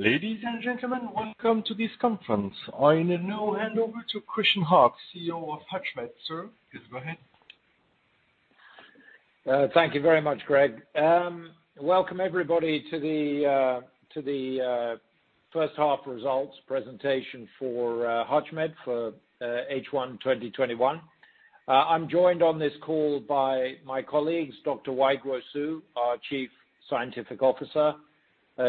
Ladies and gentlemen, welcome to this conference. I will now hand over to Christian Hogg, CEO of HUTCHMED. Sir, please go ahead. Thank you very much, Greg. Welcome everybody to the first half results presentation for HUTCHMED for H1 2021. I'm joined on this call by my colleagues, Dr. Weiguo Su, our Chief Scientific Officer.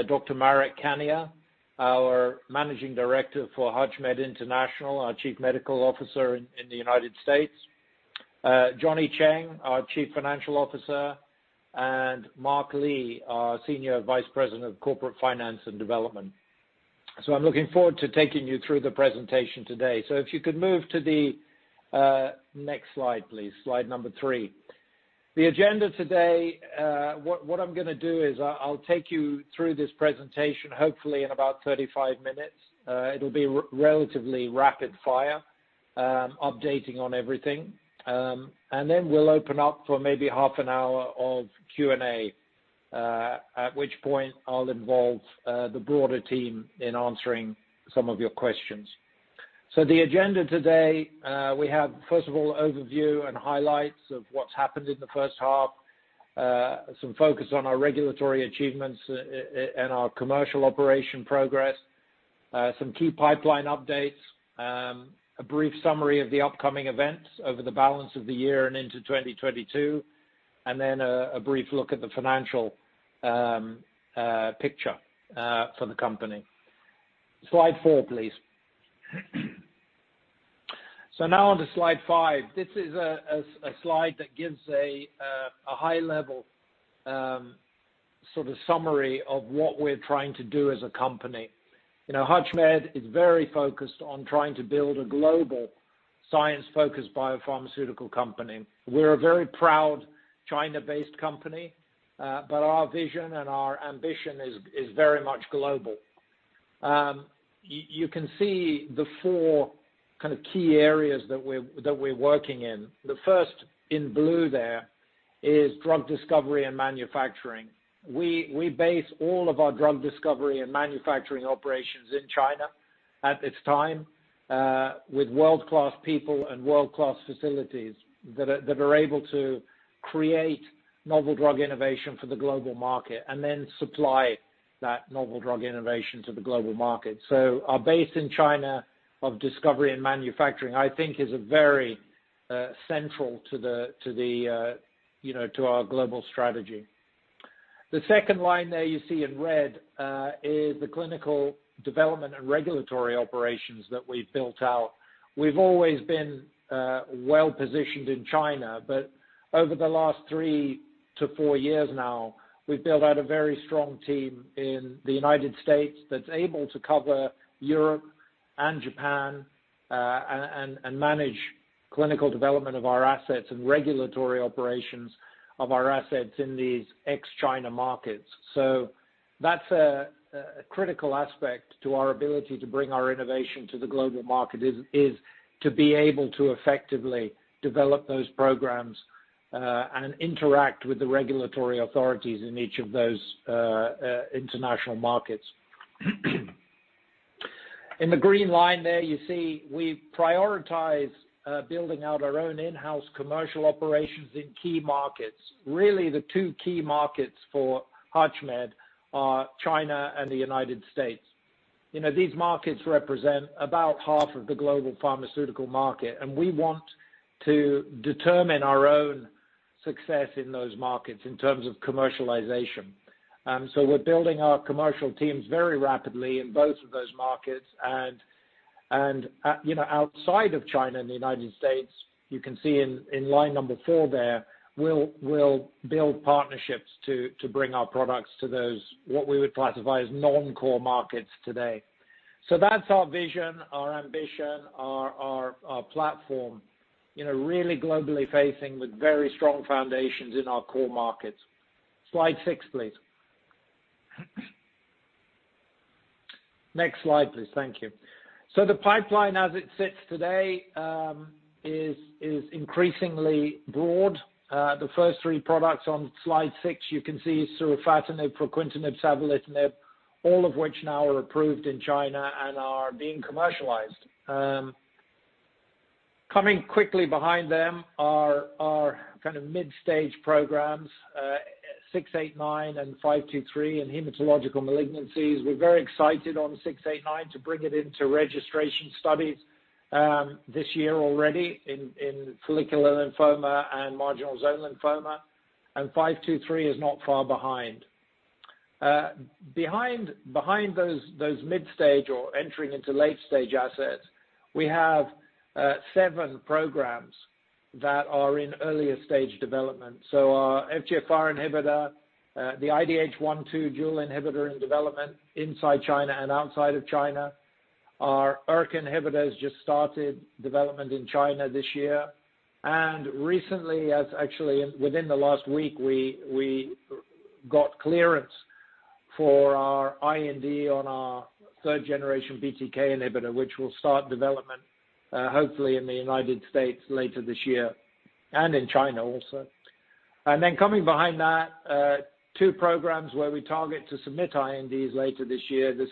Dr. Marek Kania, our Managing Director for HUTCHMED International, our Chief Medical Officer in the U.S. Johnny Cheng, our Chief Financial Officer, and Mark Lee, our Senior Vice President of Corporate Finance and Development. I'm looking forward to taking you through the presentation today. If you could move to the next slide, please, Slide number three. The agenda today, what I'm going to do is I'll take you through this presentation, hopefully in about 35 minutes. It'll be relatively rapid fire, updating on everything. Then we'll open up for maybe half an hour of Q&A, at which point I'll involve the broader team in answering some of your questions. The agenda today, we have, first of all, overview and highlights of what's happened in the first half. Focus on our regulatory achievements and our commercial operation progress. Key pipeline updates. A brief summary of the upcoming events over the balance of the year and into 2022. A brief look at the financial picture for the company. Slide four, please. Now onto Slide five. This is a slide that gives a high level summary of what we're trying to do as a company. HUTCHMED is very focused on trying to build a global science-focused biopharmaceutical company. We're a very proud China-based company, but our vision and our ambition is very much global. You can see the four key areas that we're working in. The first, in blue there, is drug discovery and manufacturing. We base all of our drug discovery and manufacturing operations in China at this time, with world-class people and world-class facilities that are able to create novel drug innovation for the global market, and then supply that novel drug innovation to the global market. Our base in China of discovery and manufacturing, I think, is very central to our global strategy. The second line there you see in red is the clinical development and regulatory operations that we've built out. We've always been well-positioned in China, but over the last three to four years now, we've built out a very strong team in the United States that's able to cover Europe and Japan, and manage clinical development of our assets and regulatory operations of our assets in these ex-China markets. That's a critical aspect to our ability to bring our innovation to the global market, is to be able to effectively develop those programs, and interact with the regulatory authorities in each of those international markets. In the green line there you see we prioritize building out our own in-house commercial operations in key markets. Really, the two key markets for HUTCHMED are China and the United States. These markets represent about half of the global pharmaceutical market, and we want to determine our own success in those markets in terms of commercialization. We're building our commercial teams very rapidly in both of those markets. Outside of China and the United States, you can see in line number four there, we'll build partnerships to bring our products to those, what we would classify as non-core markets today. That's our vision, our ambition, our platform. Really globally facing with very strong foundations in our core markets. Slide six, please. Next slide, please. Thank you. The pipeline as it sits today is increasingly broad. The first three products on Slide six, you can see surufatinib, fruquintinib, savolitinib, all of which now are approved in China and are being commercialized. Coming quickly behind them are our mid-stage programs, 689 and 523 in hematological malignancies. We're very excited on 689 to bring it into registration studies this year already in follicular lymphoma and marginal zone lymphoma, and 523 is not far behind. Behind those mid-stage or entering into late-stage assets, we have seven programs that are in earlier stage development. Our FGFR inhibitor, the IDH1/2 dual inhibitor in development inside China and outside of China. Our ERK inhibitor has just started development in China this year. Recently, actually within the last week, we got clearance for our IND on our third-generation BTK inhibitor, which will start development hopefully in the U.S. later this year. In China also. Coming behind that, two programs where we target to submit INDs later this year, the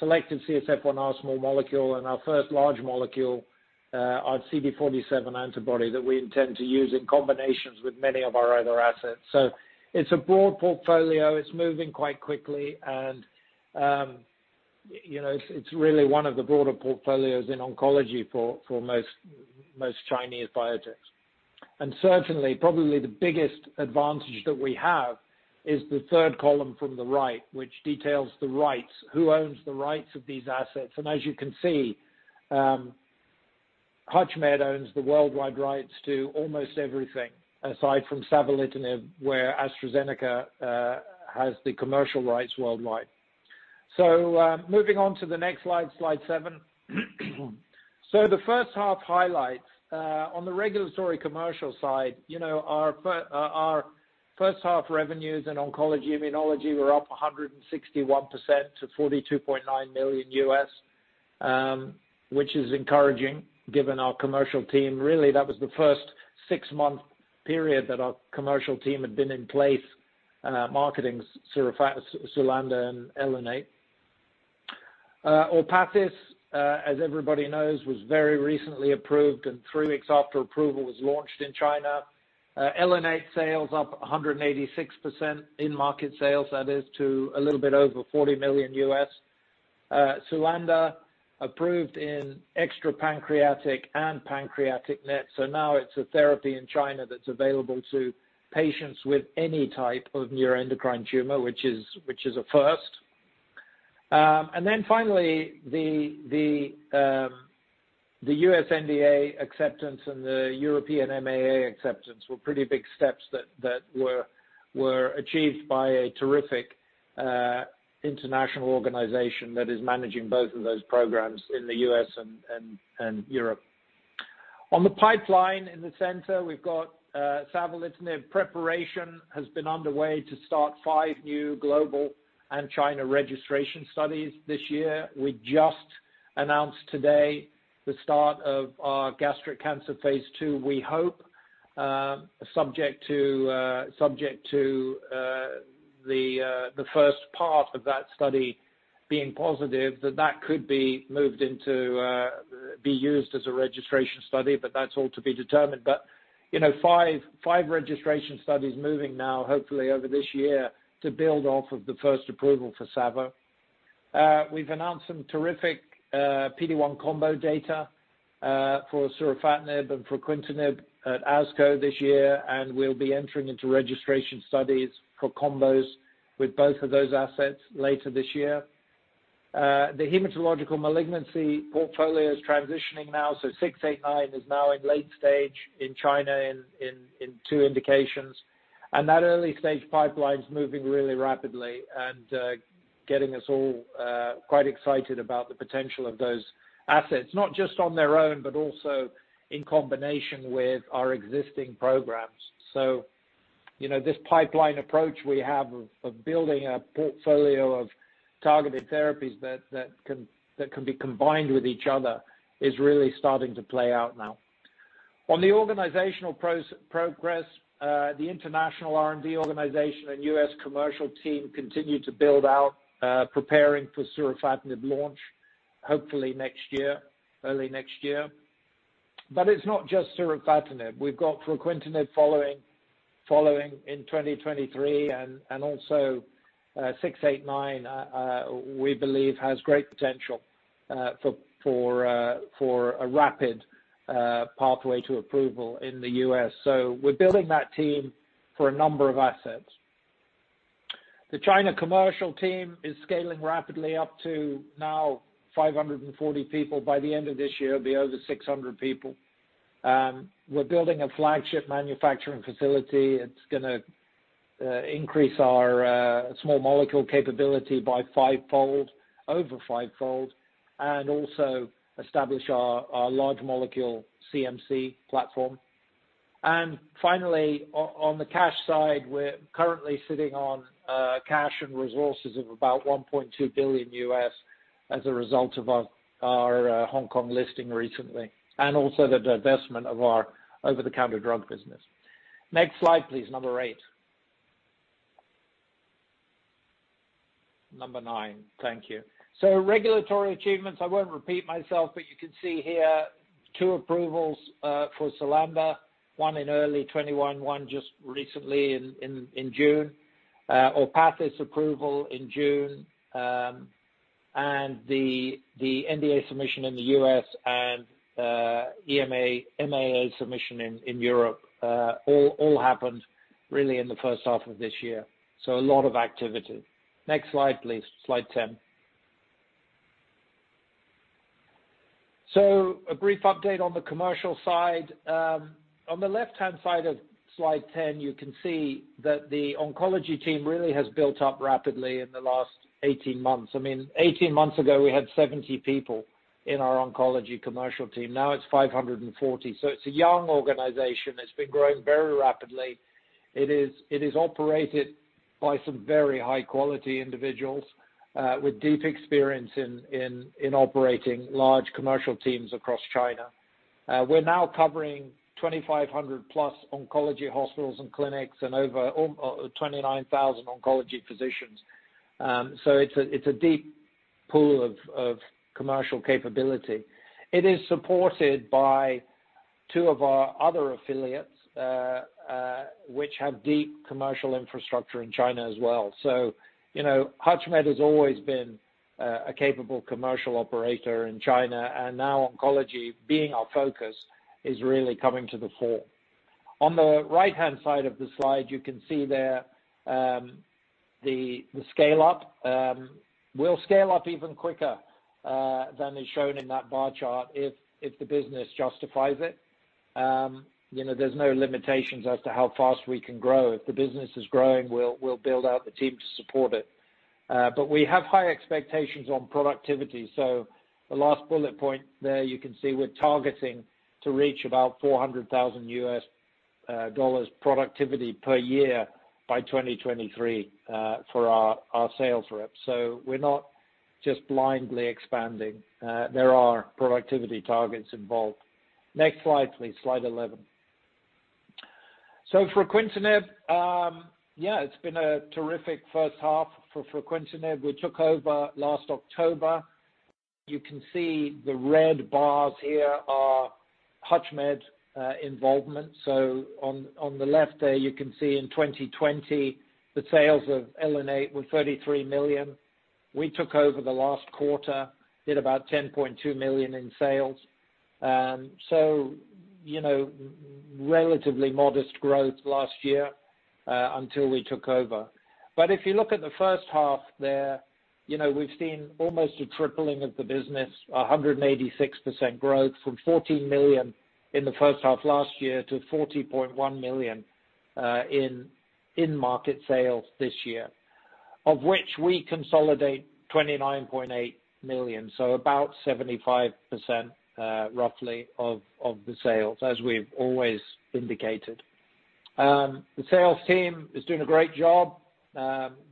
selected CSF1 small molecule, and our first large molecule, our CD47 antibody that we intend to use in combinations with many of our other assets. It's a broad portfolio. It's moving quite quickly, and it's really one of the broader portfolios in oncology for most Chinese biotechs. Certainly, probably the biggest advantage that we have is the third column from the right, which details the rights, who owns the rights of these assets. As you can see, HUTCHMED owns the worldwide rights to almost everything, aside from savolitinib, where AstraZeneca has the commercial rights worldwide. Moving on to the next Slide seven. The first half highlights, on the regulatory commercial side, our first half revenues in oncology immunology were up 161% to $42.9 million, which is encouraging given our commercial team. Really, that was the first six-month period that our commercial team had been in place marketing SULANDA and ELUNATE. ORPATHYS, as everybody knows, was very recently approved and three weeks after approval was launched in China. ELUNATE sales up 186% in market sales, that is to a little bit over $40 million. SULANDA approved in extra-pancreatic and pancreatic NET. Now it's a therapy in China that's available to patients with any type of neuroendocrine tumor, which is a first. Finally, the U.S. NDA acceptance and the European MAA acceptance were pretty big steps that were achieved by a terrific international organization that is managing both of those programs in the U.S. and Europe. On the pipeline in the center, we've got savolitinib preparation has been underway to start five new global and China registration studies this year. We just announced today the start of our gastric cancer phase II. We hope, subject to the first part of that study being positive, that that could be used as a registration study. That's all to be determined. Five registration studies moving now, hopefully over this year, to build off of the first approval for Savo. We've announced some terrific PD-1 combo data for surufatinib and for fruquintinib at ASCO this year, and we'll be entering into registration studies for combos with both of those assets later this year. The hematological malignancy portfolio is transitioning now. 689 is now in late stage in China in two indications. That early stage pipeline's moving really rapidly and getting us all quite excited about the potential of those assets, not just on their own, but also in combination with our existing programs. This pipeline approach we have of building a portfolio of targeted therapies that can be combined with each other is really starting to play out now. On the organizational progress, the international R&D organization and US commercial team continue to build out, preparing for surufatinib launch hopefully early next year. It's not just surufatinib. We've got fruquintinib following in 2023, and also 689 we believe has great potential for a rapid pathway to approval in the U.S. We're building that team for a number of assets. The China commercial team is scaling rapidly up to now 540 people. By the end of this year, it'll be over 600 people. We're building a flagship manufacturing facility. It's going to increase our small molecule capability by over 5-fold, and also establish our large molecule CMC platform. Finally, on the cash side, we're currently sitting on cash and resources of about $1.2 billion as a result of our Hong Kong listing recently, and also the divestment of our over-the-counter drug business. Next slide, please. Number eight. Number nine. Thank you. Regulatory achievements, I won't repeat myself, but you can see here two approvals for Sulanda, one in early 2021, one just recently in June. ORPATHYS approval in June, and the NDA submission in the U.S. and EMA, MAA submission in Europe, all happened really in the first half of this year. A lot of activity. Next slide, please. Slide 10. A brief update on the commercial side. On the left-hand side of slide 10, you can see that the oncology team really has built up rapidly in the last 18 months. I mean, 18 months ago, we had 70 people in our oncology commercial team. Now it's 540. It's a young organization. It's been growing very rapidly. It is operated by some very high-quality individuals with deep experience in operating large commercial teams across China. We're now covering 2,500+ oncology hospitals and clinics and over 29,000 oncology physicians. It's a deep pool of commercial capability. It is supported by two of our other affiliates which have deep commercial infrastructure in China as well. HUTCHMED has always been a capable commercial operator in China, and now oncology being our focus is really coming to the fore. On the right-hand side of the slide, you can see there the scale up. We'll scale up even quicker than is shown in that bar chart if the business justifies it. There's no limitations as to how fast we can grow. If the business is growing, we'll build out the team to support it. We have high expectations on productivity. The last bullet point there you can see we're targeting to reach about $400,000 productivity per year by 2023 for our sales reps. We're not just blindly expanding. There are productivity targets involved. Next slide, please. Slide 11. Fruquintinib, yeah, it's been a terrific first half for fruquintinib. We took over last October. You can see the red bars here are HUTCHMED involvement. On the left there, you can see in 2020, the sales of ELUNATE were $33 million. We took over the last quarter, did about $10.2 million in sales. Relatively modest growth last year until we took over. If you look at the first half there, we've seen almost a tripling of the business, 186% growth from $14 million in the first half last year to $40.1 million in-market sales this year, of which we consolidate $29.8 million. About 75%, roughly, of the sales as we've always indicated. The sales team is doing a great job.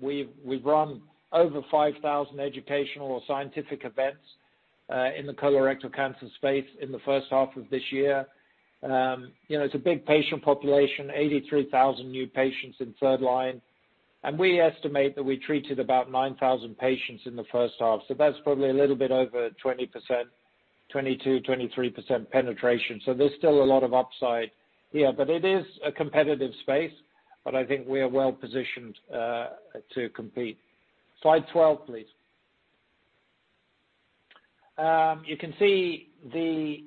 We've run over 5,000 educational or scientific events in the colorectal cancer space in the first half of this year. It's a big patient population, 83,000 new patients in third line. We estimate that we treated about 9,000 patients in the first half. That's probably a little bit over 20%, 22%, 23% penetration. There's still a lot of upside here. It is a competitive space, but I think we are well positioned to compete. Slide 12, please. You can see the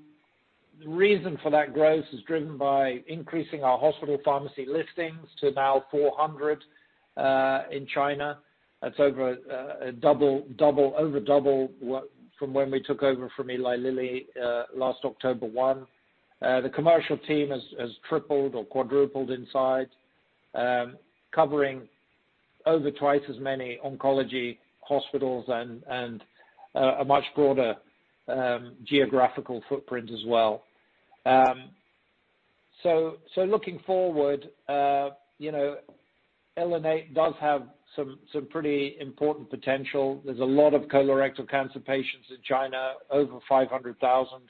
reason for that growth is driven by increasing our hospital pharmacy listings to now 400 in China. That's over double from when we took over from Eli Lilly last October 1. The commercial team has tripled or quadrupled in size, covering over twice as many oncology hospitals and a much broader geographical footprint as well. Looking forward, ELUNATE does have some pretty important potential. There's a lot of colorectal cancer patients in China, over 500,000.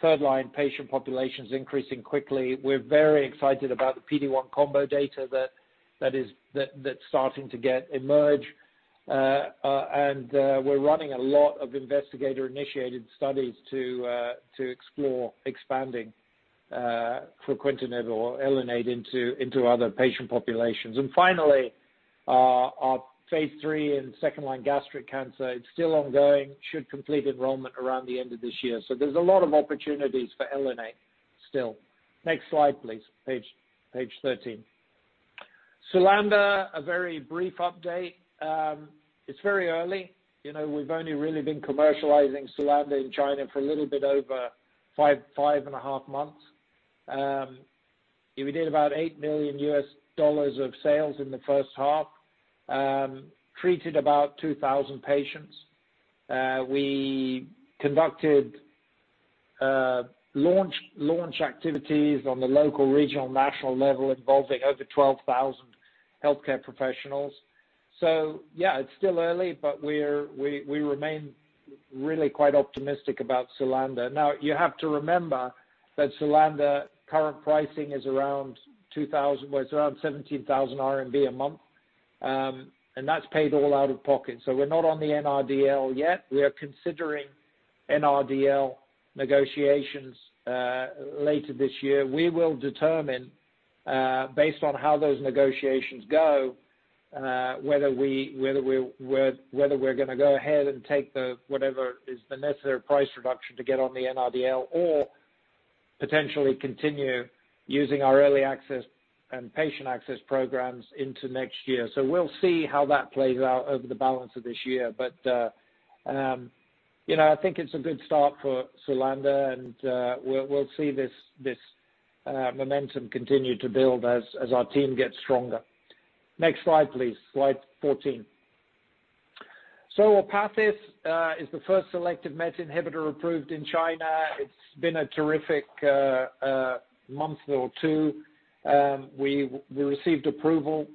Third-line patient population's increasing quickly. We're very excited about the PD-1 combo data that's starting to emerge. We're running a lot of investigator-initiated studies to explore expanding fruquintinib or ELUNATE into other patient populations. Finally, our phase III in second-line gastric cancer, it's still ongoing. Should complete enrollment around the end of this year. There's a lot of opportunities for ELUNATE still. Next slide, please. Page 13. SULANDA, a very brief update. It's very early. We've only really been commercializing SULANDA in China for a little bit over 5.5 months. We did about $8 million of sales in the first half, treated about 2,000 patients. We conducted launch activities on the local, regional, and national level involving over 12,000 healthcare professionals. Yeah, it's still early, but we remain really quite optimistic about Sulanda. Now, you have to remember that Sulanda current pricing is around 17,000 RMB a month, and that's paid all out of pocket. We're not on the NRDL yet. We are considering NRDL negotiations later this year. We will determine based on how those negotiations go whether we're going to go ahead and take whatever is the necessary price reduction to get on the NRDL or potentially continue using our early access and patient access programs into next year. We'll see how that plays out over the balance of this year. I think it's a good start for Sulanda, and we'll see this momentum continue to build as our team gets stronger. Next slide, please. Slide 14. ORPATHYS is the first selective MET inhibitor approved in China. It's been a terrific month or two. We received approval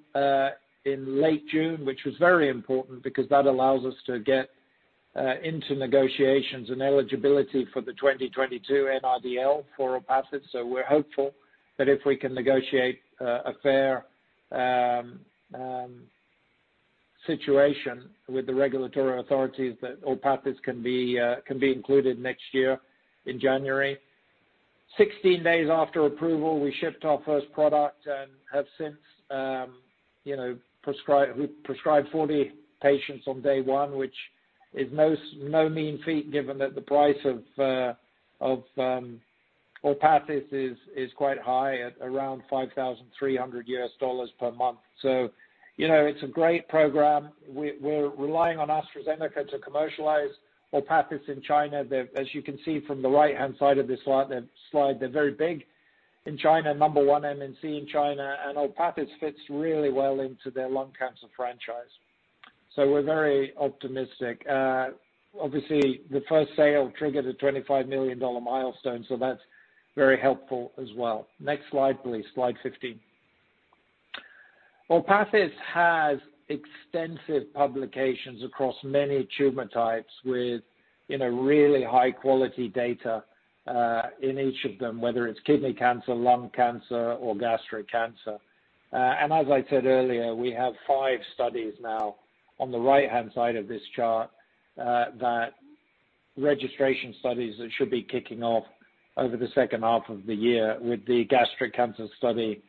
in late June, which was very important because that allows us to get into negotiations and eligibility for the 2022 NRDL for ORPATHYS. We're hopeful that if we can negotiate a fair situation with the regulatory authorities, that ORPATHYS can be included next year in January. 16 days after approval, we shipped our first product and have since prescribed 40 patients on day one, which is no mean feat given that the price of ORPATHYS is quite high at around $5,300 per month. It's a great program. We're relying on AstraZeneca to commercialize ORPATHYS in China. As you can see from the right-hand side of this slide, they're very big in China, number one MNC in China, and ORPATHYS fits really well into their lung cancer franchise. We're very optimistic. Obviously, the first sale triggered a $25 million milestone, so that's very helpful as well. Next slide, please. Slide 15. ORPATHYS has extensive publications across many tumor types with really high-quality data in each of them, whether it's kidney cancer, lung cancer, or gastric cancer. As I said earlier, we have five studies now on the right-hand side of this chart, that registration studies that should be kicking off over the second half of the year with the gastric cancer study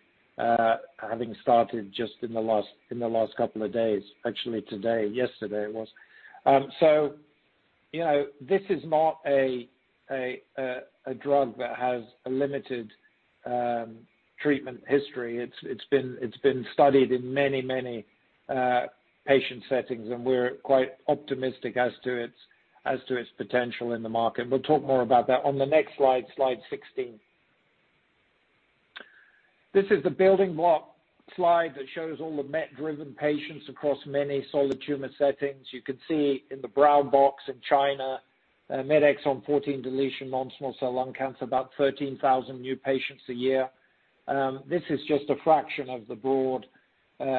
having started just in the last couple of days. Actually, today. Yesterday it was. This is not a drug that has a limited treatment history. It's been studied in many patient settings, and we're quite optimistic as to its potential in the market. We'll talk more about that on the next slide, Slide 16. This is the building block slide that shows all the MET-driven patients across many solid tumor settings. You can see in the brown box in China, MET Exon 14 deletion non-small cell lung cancer, about 13,000 new patients a year. This is just a fraction of the broad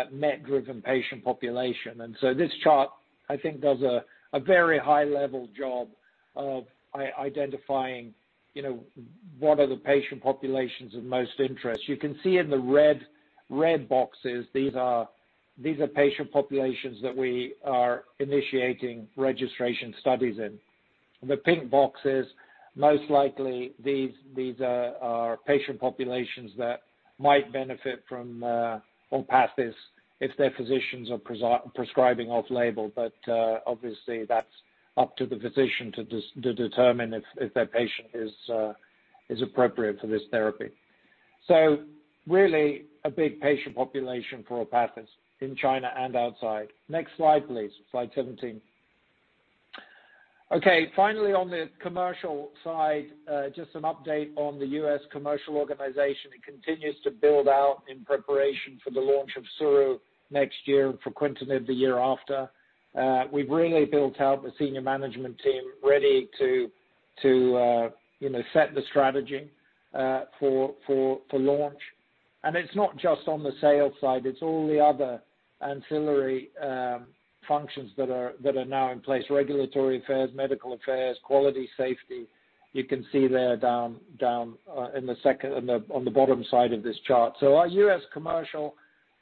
MET-driven patient population. This chart, I think, does a very high-level job of identifying what are the patient populations of most interest. You can see in the red boxes, these are patient populations that we are initiating registration studies in. The pink boxes, most likely, these are patient populations that might benefit from ORPATHYS if their physicians are prescribing off-label. Obviously that's up to the physician to determine if their patient is appropriate for this therapy. Really a big patient population for ORPATHYS in China and outside. Next slide, please. Slide 17. Finally, on the commercial side, just an update on the U.S. commercial organization. It continues to build out in preparation for the launch of SULANDA next year and for fruquintinib the year after. We've really built out the senior management team ready to set the strategy for launch. It's not just on the sales side, it's all the other ancillary functions that are now in place. Regulatory affairs, medical affairs, quality, safety. You can see there down on the bottom side of this chart. Our U.S. commercial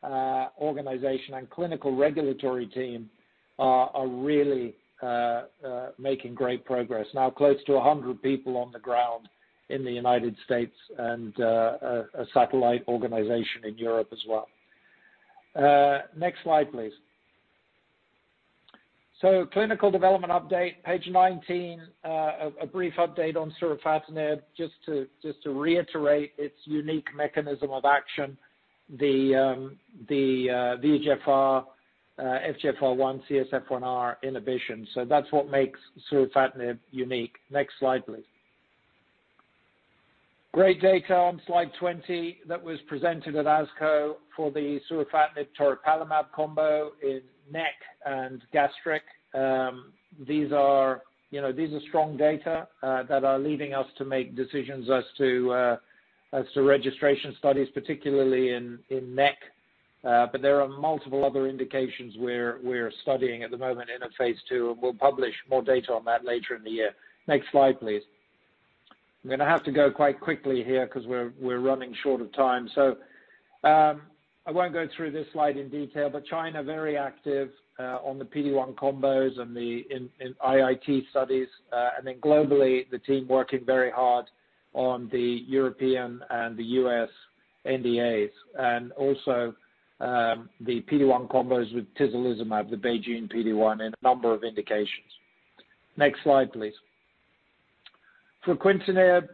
organization and clinical regulatory team are really making great progress. Now close to 100 people on the ground in the United States and a satellite organization in Europe as well. Next slide, please. Clinical development update, Page 19. A brief update on surufatinib, just to reiterate its unique mechanism of action. The VEGFR, FGFR1, CSF1R inhibition. That's what makes surufatinib unique. Next slide, please. Great data on Slide 20 that was presented at ASCO for the surufatinib toripalimab combo in NET and gastric. These are strong data that are leading us to make decisions as to registration studies, particularly in NET. There are multiple other indications we're studying at the moment in a phase II, and we'll publish more data on that later in the year. Next slide, please. I'm going to have to go quite quickly here because we're running short of time. I won't go through this slide in detail, but China, very active on the PD-1 combos and in IIT studies. Globally, the team working very hard on the European and the U.S. NDAs. The PD-1 combos with tislelizumab, the BeiGene PD-1, in a number of indications. Next slide, please. Fruquintinib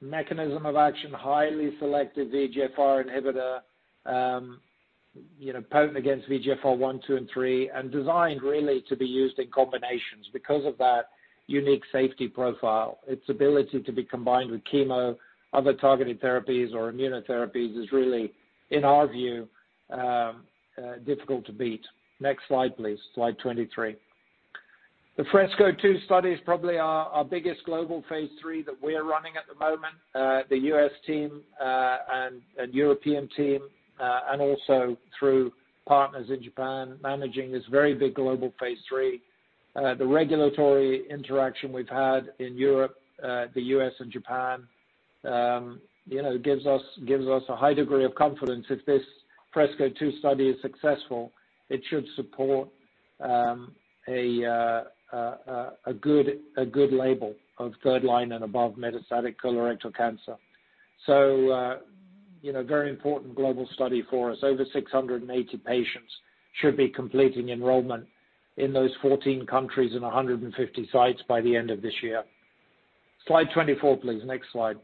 mechanism of action, highly selective VEGFR inhibitor, potent against VEGFR 1, 2, and 3, and designed really to be used in combinations because of that unique safety profile. Its ability to be combined with chemo, other targeted therapies, or immunotherapies is really, in our view, difficult to beat. Next slide, please. Slide 23. The FRESCO-2 study is probably our biggest global phase III that we're running at the moment. The U.S. team and European team, and also through partners in Japan, managing this very big global phase III. The regulatory interaction we've had in Europe, the U.S., and Japan gives us a high degree of confidence. If this FRESCO-2 study is successful, it should support a good label of third line and above metastatic colorectal cancer. A very important global study for us. Over 680 patients should be completing enrollment in those 14 countries in 150 sites by the end of this year. Slide 24, please. Next slide.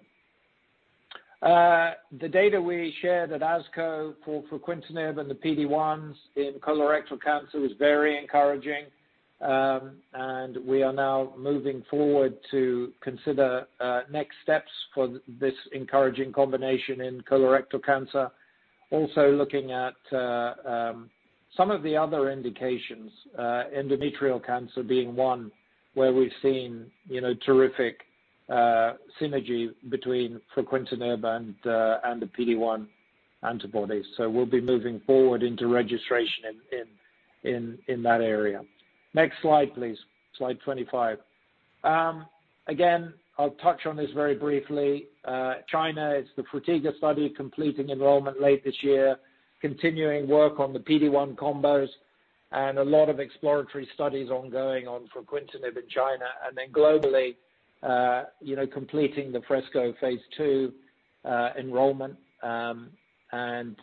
The data we shared at ASCO for fruquintinib and the PD-1s in colorectal cancer was very encouraging. We are now moving forward to consider next steps for this encouraging combination in colorectal cancer. Also looking at some of the other indications, endometrial cancer being 1, where we've seen terrific synergy between fruquintinib and the PD-1 antibodies. We'll be moving forward into registration in that area. Next slide, please. Slide 25. Again, I'll touch on this very briefly. China, it's the FRUTIGA study completing enrollment late this year, continuing work on the PD-1 combos, and a lot of exploratory studies ongoing on fruquintinib in China. Globally, completing the FRESCO phase II enrollment, and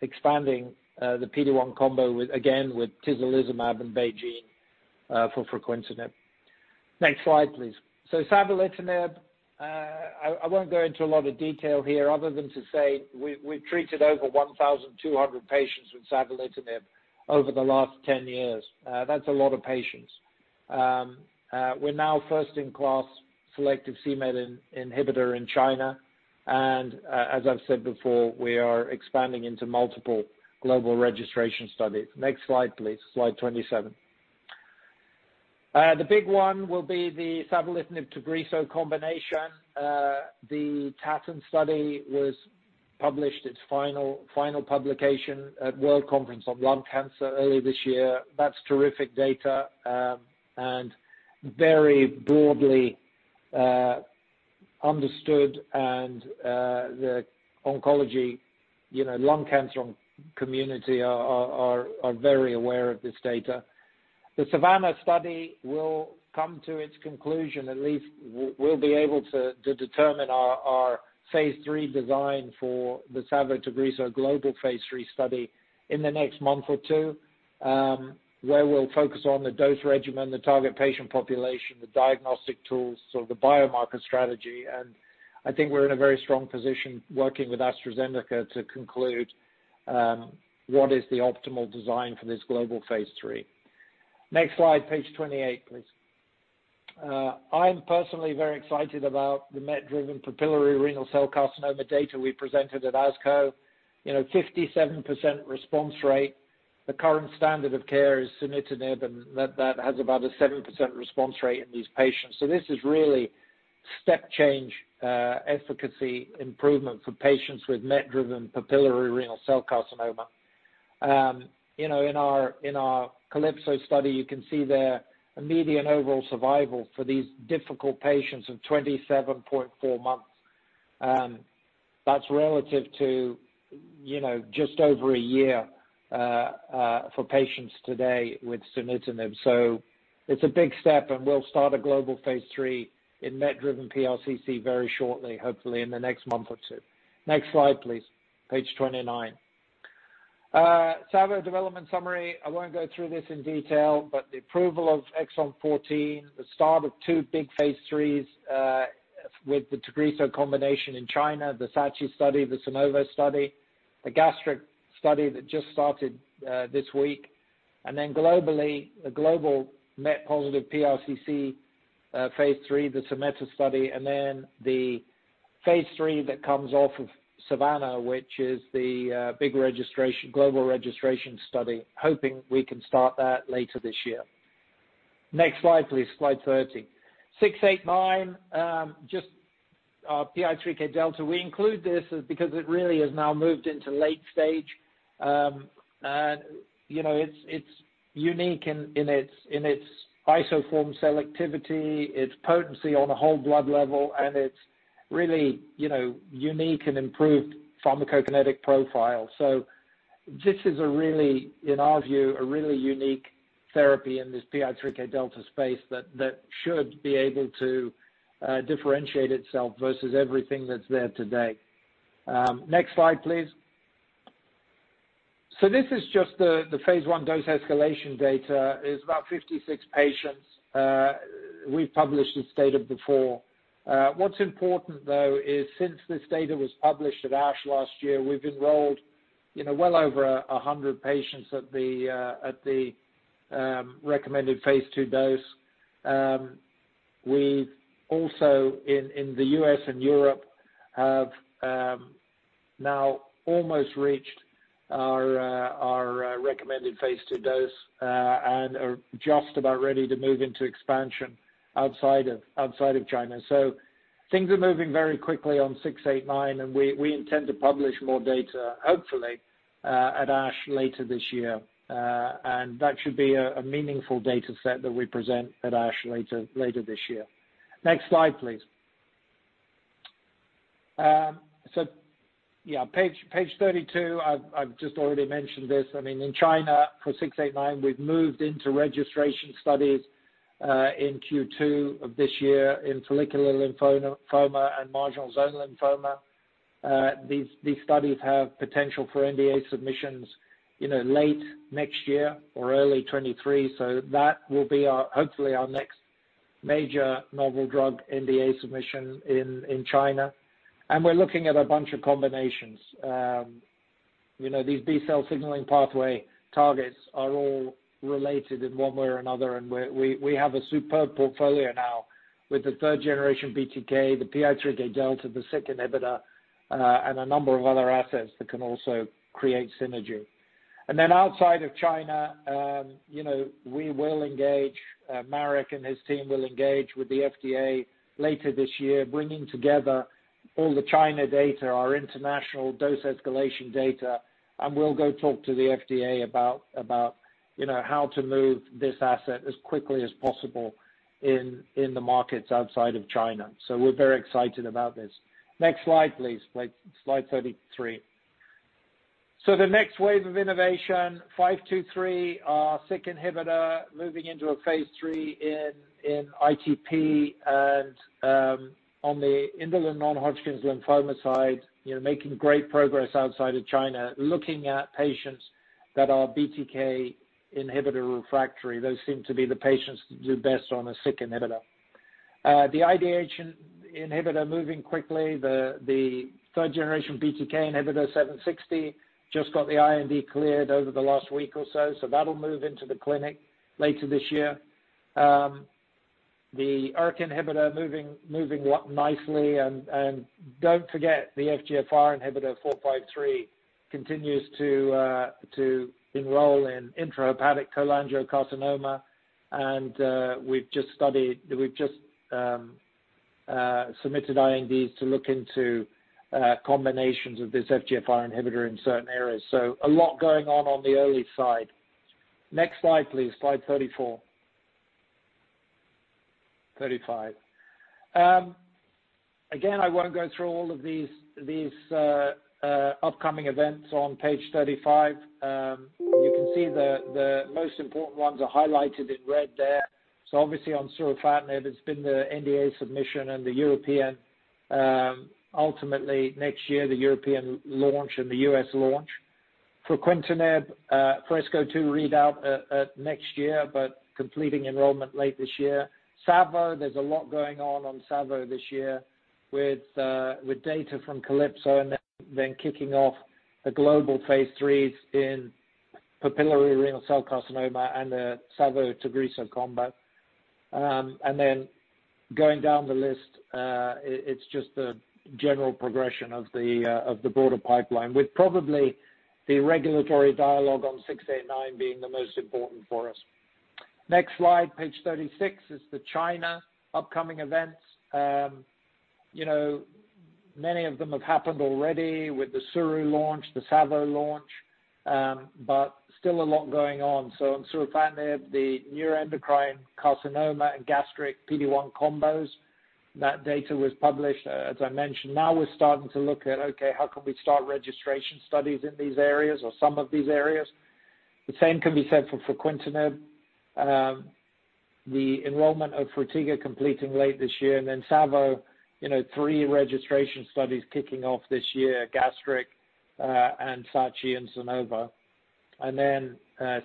expanding the PD-1 combo, again, with tislelizumab and BeiGene for fruquintinib. Next slide, please. Savolitinib, I won't go into a lot of detail here other than to say we've treated over 1,200 patients with savolitinib over the last 10 years. That's a lot of patients. We're now first in class selective c-Met inhibitor in China, and, as I've said before, we are expanding into multiple global registration studies. Next slide, please. Slide 27. The big one will be the savolitinib Tagrisso combination. The TATTON study was published, its final publication at World Conference on Lung Cancer early this year. That's terrific data, and very broadly understood. The lung cancer community are very aware of this data. The SAVANNAH study will come to its conclusion. At least we'll be able to determine our phase III design for the savo TAGRISSO global phase III study in the next month or two, where we'll focus on the dose regimen, the target patient population, the diagnostic tools, so the biomarker strategy. I think we're in a very strong position working with AstraZeneca to conclude what is the optimal design for this global phase III. Next slide, Page 28, please. I'm personally very excited about the MET-driven papillary renal cell carcinoma data we presented at ASCO. 57% response rate. The current standard of care is sunitinib, and that has about a 7% response rate in these patients. This is really step change efficacy improvement for patients with MET-driven papillary renal cell carcinoma. In our CALYPSO study, you can see there a median overall survival for these difficult patients of 27.4 months. That's relative to just over one year for patients today with sunitinib. It's a big step, and we'll start a global phase III in MET-driven PRCC very shortly, hopefully in the next month or two. Next slide, please. Page 29. Savo development summary. I won't go through this in detail, but the approval of MET Exon 14, the start of two big phase IIIs with the Tagrisso combination in China, the SACHI study, the SANOVO study. A gastric study that just started this week. Globally, a global MET-positive PRCC phase III, the SAMETA study, and then the phase III that comes off of SAVANNAH, which is the big global registration study. We are hoping we can start that later this year. Next slide, please. Slide 30. 689, just PI3K delta. We include this because it really has now moved into late stage. It's unique in its isoform selectivity, its potency on a whole blood level, and its really unique and improved pharmacokinetic profile. This is, in our view, a really unique therapy in this PI3K delta space that should be able to differentiate itself versus everything that's there today. Next slide, please. This is just the phase I dose escalation data. It's about 56 patients. We've published this data before. What's important, though, is since this data was published at ASH last year, we've enrolled well over 100 patients at the recommended phase II dose. We also, in the U.S. and Europe, now almost reached our recommended phase II dose and are just about ready to move into expansion outside of China. Things are moving very quickly on 689, and we intend to publish more data, hopefully, at ASH later this year. That should be a meaningful data set that we present at ASH later this year. Next slide, please. Page 32. I've just already mentioned this. I mean, in China for 689, we've moved into registration studies in Q2 of this year in follicular lymphoma and marginal zone lymphoma. These studies have potential for NDA submissions late next year or early 2023. That will be hopefully our next major novel drug NDA submission in China. We're looking at a bunch of combinations. These B-cell signaling pathway targets are all related in one way or another, and we have a superb portfolio now with the third-generation BTK, the PI3K delta, the SYK inhibitor, and a number of other assets that can also create synergy. Outside of China, Marek and his team will engage with the FDA later this year, bringing together all the China data, our international dose escalation data, and we'll go talk to the FDA about how to move this asset as quickly as possible in the markets outside of China. We're very excited about this. Next slide, please. Slide 33. The next wave of innovation, 523, our SYK inhibitor, moving into a phase III in ITP and on the indolent non-Hodgkin's lymphoma side, making great progress outside of China, looking at patients that are BTK inhibitor refractory. Those seem to be the patients that do best on a SYK inhibitor. The IDH inhibitor moving quickly, the third generation BTK inhibitor 760, just got the IND cleared over the last week or so. That'll move into the clinic later this year. The ERK inhibitor moving nicely. Don't forget the FGFR inhibitor 453 continues to enroll in intrahepatic cholangiocarcinoma, and we've just submitted INDs to look into combinations of this FGFR inhibitor in certain areas. A lot going on on the early side. Next slide, please. Slide 34. 35. Again, I won't go through all of these upcoming events on Page 35. You can see the most important ones are highlighted in red there. Obviously on surufatinib, it's been the NDA submission and ultimately next year, the European launch and the U.S. launch. Fruquintinib, FRESCO-2 readout next year, but completing enrollment late this year. savo, there's a lot going on on savo this year with data from CALYPSO and then kicking off the global phase III in papillary renal cell carcinoma and the savo TAGRISSO combo. Going down the list, it's just the general progression of the broader pipeline, with probably the regulatory dialogue on 689 being the most important for us. Next slide, Page 36, is the China upcoming events. Many of them have happened already with the suru launch, the savo launch, but still a lot going on. On surufatinib, the neuroendocrine carcinoma and gastric PD-1 combos. That data was published, as I mentioned. Now we're starting to look at, okay, how can we start registration studies in these areas or some of these areas? The same can be said for fruquintinib. The enrollment of FRUTIGA completing late this year, and then savo, three registration studies kicking off this year, gastric and SACHI and SANOVO.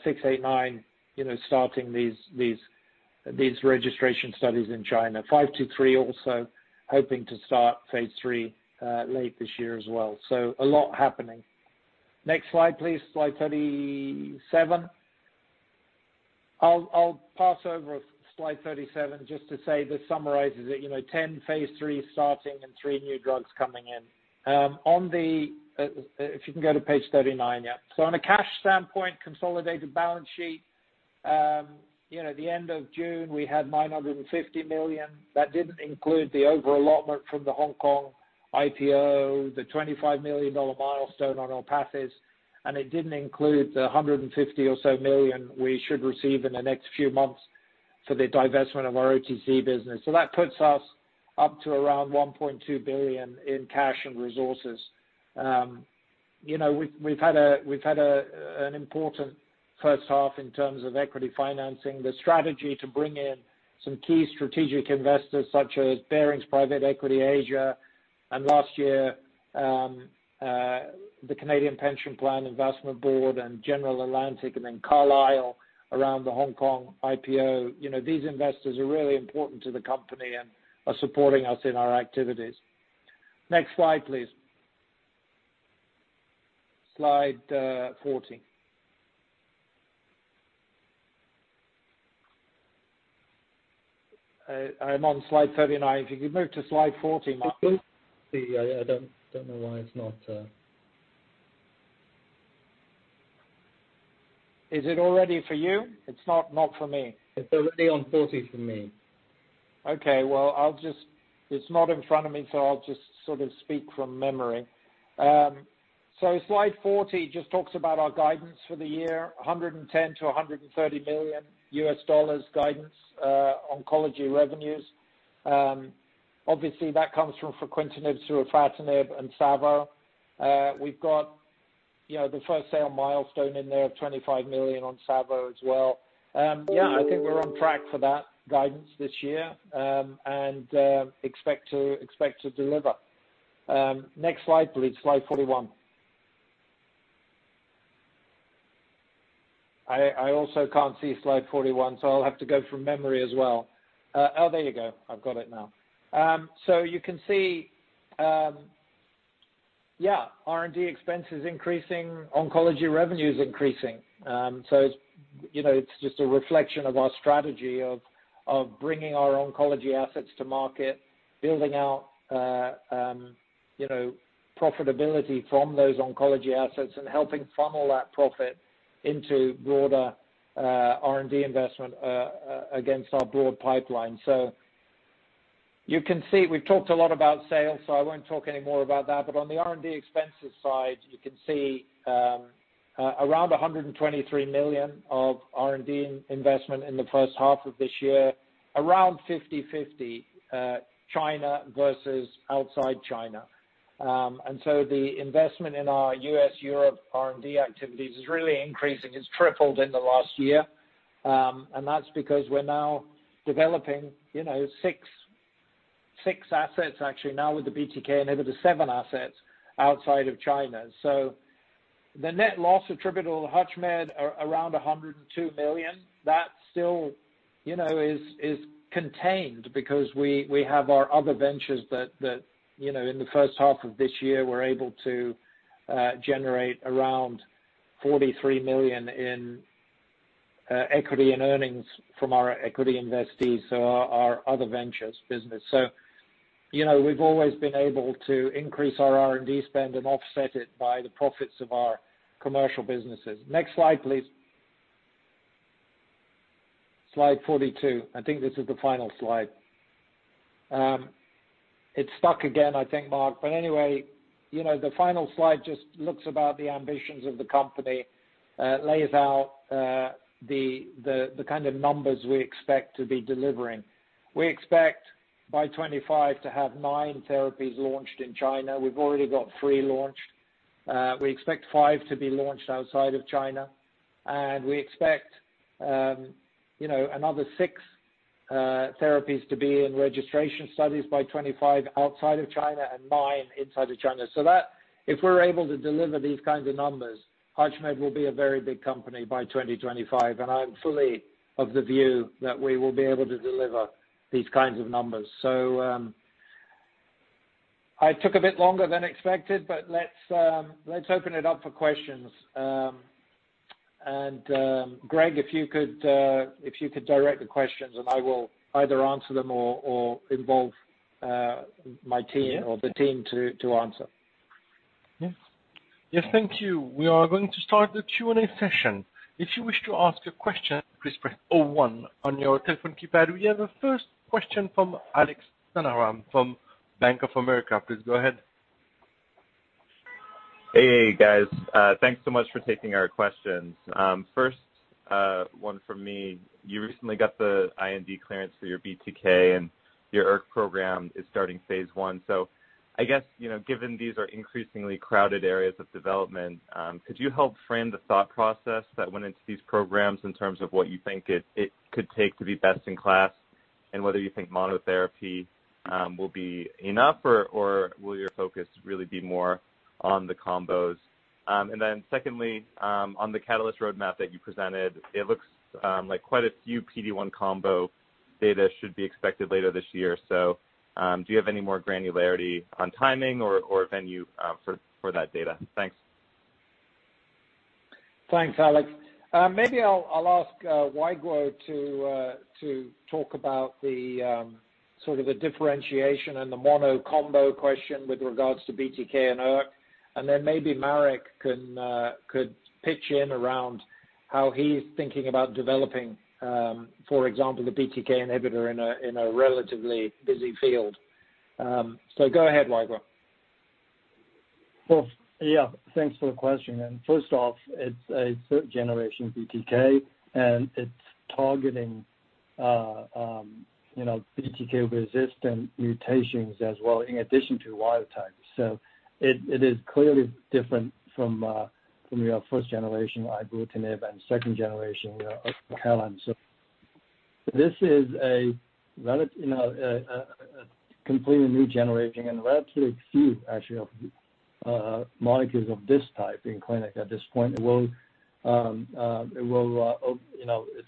689 starting these registration studies in China. 523 also hoping to start phase III late this year as well. A lot happening. Next slide, please. Slide 37. I'll pass over Slide 37 just to say this summarizes it, 10 phase III starting and three new drugs coming in. If you can go to Page 39, yeah. On a cash standpoint, consolidated balance sheet. The end of June, we had $950 million. That didn't include the overallotment from the Hong Kong IPO, the $25 million milestone on ORPATHYS, and it didn't include the $150 or so million we should receive in the next few months for the divestment of our OTC business. That puts us up to around $1.2 billion in cash and resources. We've had an important first half in terms of equity financing, the strategy to bring in some key strategic investors such as Baring Private Equity Asia, and last year, the Canada Pension Plan Investment Board and General Atlantic, and then Carlyle around the Hong Kong IPO. These investors are really important to the company and are supporting us in our activities. Next slide, please. Slide 40. I'm on Slide 39. If you could move to Slide 40, Mark. I don't see. I don't know why it's not Is it already for you? It's not for me. It's already on 40 for me. Okay. Well, it's not in front of me, so I'll just sort of speak from memory. Slide 40 just talks about our guidance for the year, $110 million to $130 million guidance, oncology revenues. Obviously, that comes from fruquintinib through surufatinib and savolitinib. We've got the first sale milestone in there of $25 million on savolitinib as well. Yeah, I think we're on track for that guidance this year, and expect to deliver. Next slide, please. Slide 41. I also can't see Slide 41, so I'll have to go from memory as well. Oh, there you go. I've got it now. You can see, R&D expenses increasing, oncology revenues increasing. It's just a reflection of our strategy of bringing our oncology assets to market, building out profitability from those oncology assets and helping funnel that profit into broader R&D investment against our broad pipeline. You can see we've talked a lot about sales, I won't talk any more about that. On the R&D expenses side, you can see around $123 million of R&D investment in the first half of this year, around 50/50 China versus outside China. The investment in our U.S., Europe R&D activities is really increasing. It's tripled in the last year, that's because we're now developing six assets actually now with the BTK inhibitor, seven assets outside of China. The net loss attributable to HUTCHMED are around $102 million. That still is contained because we have our other ventures that in the first half of this year, were able to generate around $43 million in equity and earnings from our equity investees, so our other ventures business. We've always been able to increase our R&D spend and offset it by the profits of our commercial businesses. Next slide, please. Slide 42. I think this is the final slide. It's stuck again, I think, Mark. The final slide just looks about the ambitions of the company, lays out the kind of numbers we expect to be delivering. We expect by 2025 to have nine therapies launched in China. We've already got three launched. We expect five to be launched outside of China, and we expect another six therapies to be in registration studies by 2025 outside of China and nine inside of China. If we're able to deliver these kinds of numbers, HUTCHMED will be a very big company by 2025, and I'm fully of the view that we will be able to deliver these kinds of numbers. I took a bit longer than expected, but let's open it up for questions. Greg, if you could direct the questions, and I will either answer them or involve my team or the team to answer. Yes. Thank you. We are going to start the Q&A session. If you wish to ask a question, please press zero one on your telephone keypad. We have a first question from Alec Stranahan from Bank of America. Please go ahead. Hey, guys. Thanks so much for taking our questions. First one from me, you recently got the IND clearance for your BTK, and your ERK program is starting phase I. I guess, given these are increasingly crowded areas of development, could you help frame the thought process that went into these programs in terms of what you think it could take to be best in class, and whether you think monotherapy will be enough, or will your focus really be more on the combos? Secondly, on the catalyst roadmap that you presented, it looks like quite a few PD-1 combo data should be expected later this year. Do you have any more granularity on timing or venue for that data? Thanks. Thanks, Alec. Maybe I'll ask Weiguo to talk about the sort of the differentiation and the mono combo question with regards to BTK and ERK, and then maybe Marek could pitch in around how he's thinking about developing, for example, the BTK inhibitor in a relatively busy field. Go ahead, Weiguo. Yeah, thanks for the question. First off, it's a third-generation BTK, and it's targeting BTK-resistant mutations as well, in addition to wild-types. It is clearly different from your first-generation ibrutinib and second-generation acalabrutinib. This is a completely new generation and relatively few actually, of molecules of this type in clinic at this point. It's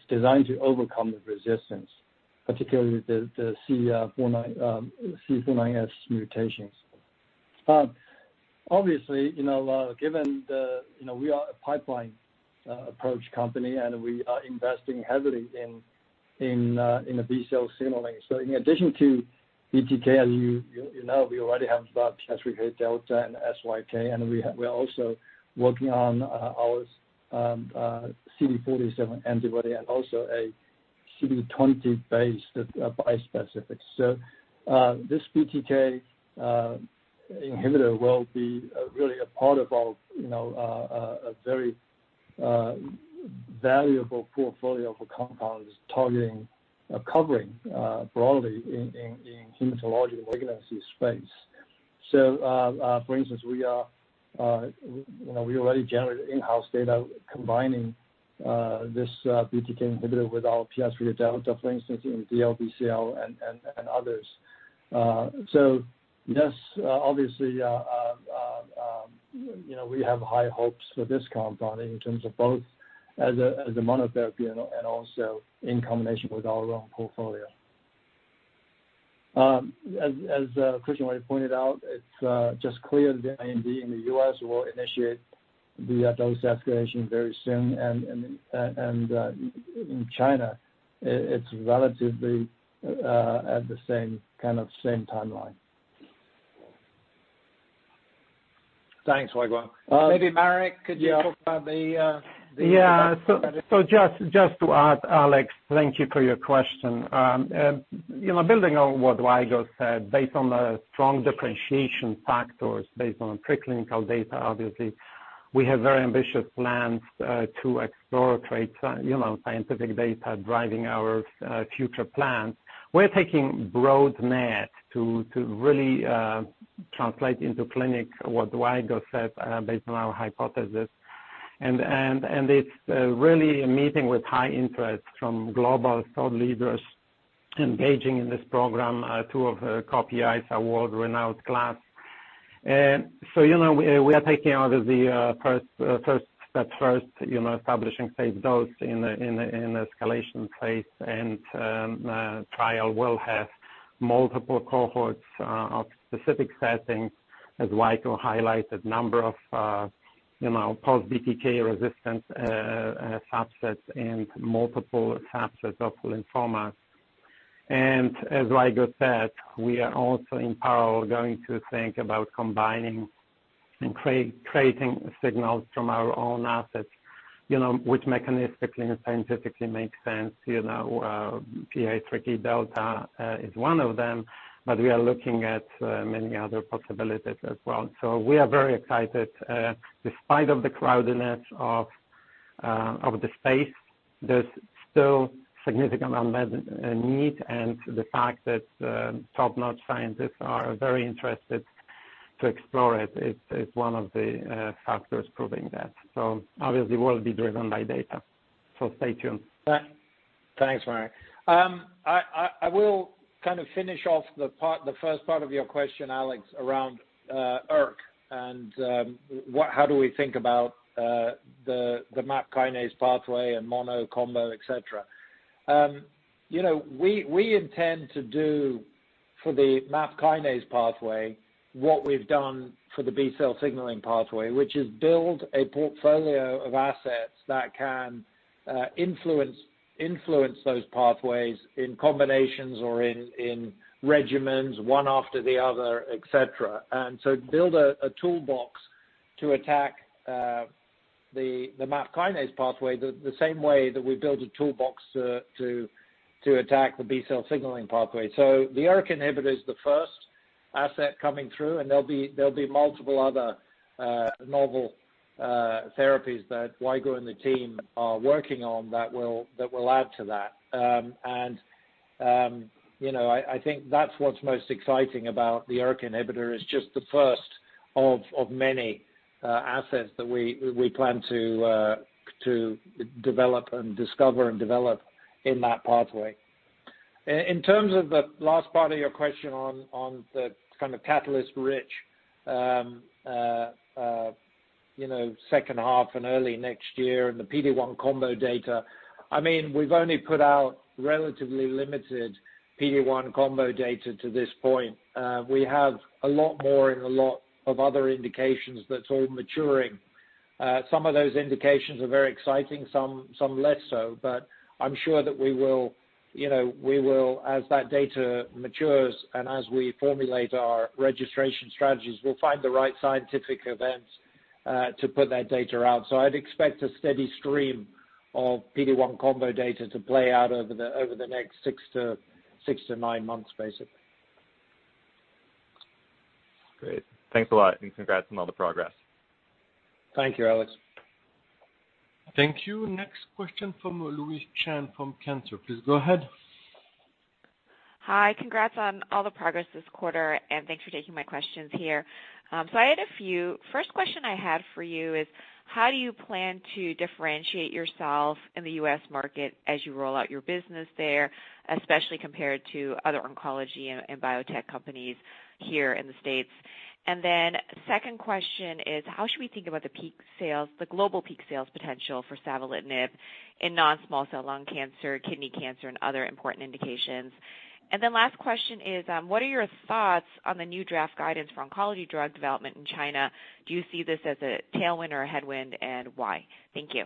designed to overcome the resistance, particularly the C481S mutations. Obviously, given that we are a pipeline approach company and we are investing heavily in the B-cell signaling. In addition to BTK, as you know, we already have PI3K delta and SYK, and we're also working on our CD47 antibody and also a CD20-based bispecific. This BTK inhibitor will be really a part of a very valuable portfolio for compounds targeting, covering broadly in hematologic malignancy space. For instance, we already generated in-house data combining this BTK inhibitor with our PI3K delta, for instance, in DLBCL and others. Yes, obviously, we have high hopes for this compound in terms of both as a monotherapy and also in combination with our own portfolio. Christian already pointed out, it's just clear the IND in the U.S. will initiate the dose escalation very soon and in China, it's relatively at the same timeline. Thanks, Weiguo. Maybe Marek, could you talk about? Just to add, Alec, thank you for your question. Building on what Weiguo said, based on the strong differentiation factors, based on preclinical data, obviously, we have very ambitious plans to explore scientific data driving our future plans. We're taking broad net to really translate into clinic what Weiguo said based on our hypothesis. It's really meeting with high interest from global thought leaders engaging in this program. Two of the co-PIs are world-renowned class. We are taking out of the first step, establishing safe dose in the escalation phase, and trial will have multiple cohorts of specific settings, as Weiguo highlighted, number of post-BTK resistant subsets and multiple subsets of lymphomas. As Weiguo said, we are also in parallel going to think about combining and creating signals from our own assets, which mechanistically and scientifically makes sense. PI3K delta is one of them, we are looking at many other possibilities as well. We are very excited. Despite of the crowdedness of the space, there's still significant unmet need, and the fact that top-notch scientists are very interested to explore it is one of the factors proving that. Obviously, we'll be driven by data, so stay tuned. Thanks, Marek. I will finish off the first part of your question, Alec, around ERK and how do we think about the MAP kinase pathway and mono, combo, et cetera. We intend to do for the MAP kinase pathway what we've done for the B-cell signaling pathway, which is build a portfolio of assets that can influence those pathways in combinations or in regimens, one after the other, et cetera. Build a toolbox to attack the MAP kinase pathway the same way that we build a toolbox to attack the B-cell signaling pathway. The ERK inhibitor is the first asset coming through, and there'll be multiple other novel therapies that Weiguo and the team are working on that will add to that. I think that's what's most exciting about the ERK inhibitor, is just the first of many assets that we plan to discover and develop in that pathway. In terms of the last part of your question on the kind of catalyst-rich second half and early next year and the PD-1 combo data, we've only put out relatively limited PD-1 combo data to this point. We have a lot more in a lot of other indications that's all maturing. Some of those indications are very exciting, some less so. I'm sure that we will, as that data matures and as we formulate our registration strategies, we'll find the right scientific events to put that data out. I'd expect a steady stream of PD-1 combo data to play out over the next six to nine months, basically. Great. Thanks a lot and congrats on all the progress. Thank you, Alec. Thank you. Next question from Louise Chen from Cantor Fitzgerald. Please go ahead. Hi, congrats on all the progress this quarter, and thanks for taking my questions here. I had a few. First question I had for you is, how do you plan to differentiate yourself in the U.S. market as you roll out your business there, especially compared to other oncology and biotech companies here in the States? Second question is, how should we think about the global peak sales potential for savolitinib in non-small cell lung cancer, kidney cancer, and other important indications? Last question is, what are your thoughts on the new draft guidance for oncology drug development in China? Do you see this as a tailwind or a headwind, and why? Thank you.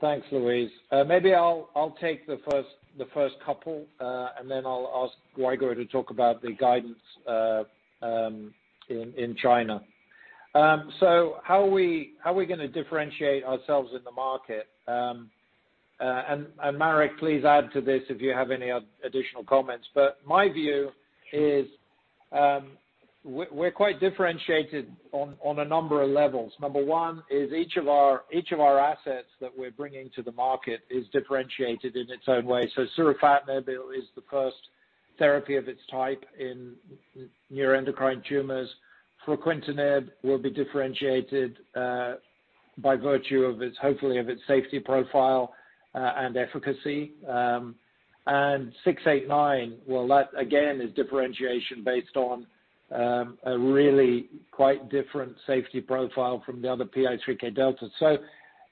Thanks, Louise. Maybe I'll take the first couple, and then I'll ask Weiguo to talk about the guidance in China. How are we going to differentiate ourselves in the market? Marek, please add to this if you have any additional comments. My view is we're quite differentiated on a number of levels. Number 1 is each of our assets that we're bringing to the market is differentiated in its own way. Surufatinib is the first therapy of its type in neuroendocrine tumors. Fruquintinib will be differentiated by virtue of its, hopefully, of its safety profile and efficacy. Amdizalisib, well, that again, is differentiation based on a really quite different safety profile from the other PI3K delta.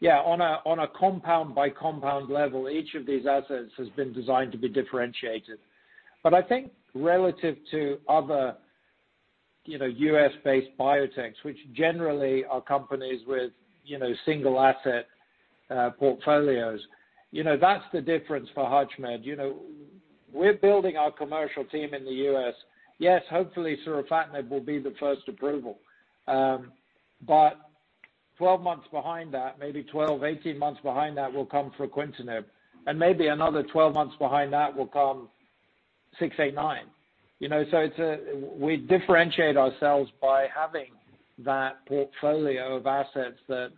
Yeah, on a compound by compound level, each of these assets has been designed to be differentiated. I think relative to other U.S.-based biotechs, which generally are companies with single asset portfolios, that's the difference for HUTCHMED. We're building our commercial team in the U.S. Yes, hopefully surufatinib will be the first approval. 12 months behind that, maybe 12, 18 months behind that will come fruquintinib, and maybe another 12 months behind that will come amdizalisib. We differentiate ourselves by having that portfolio of assets that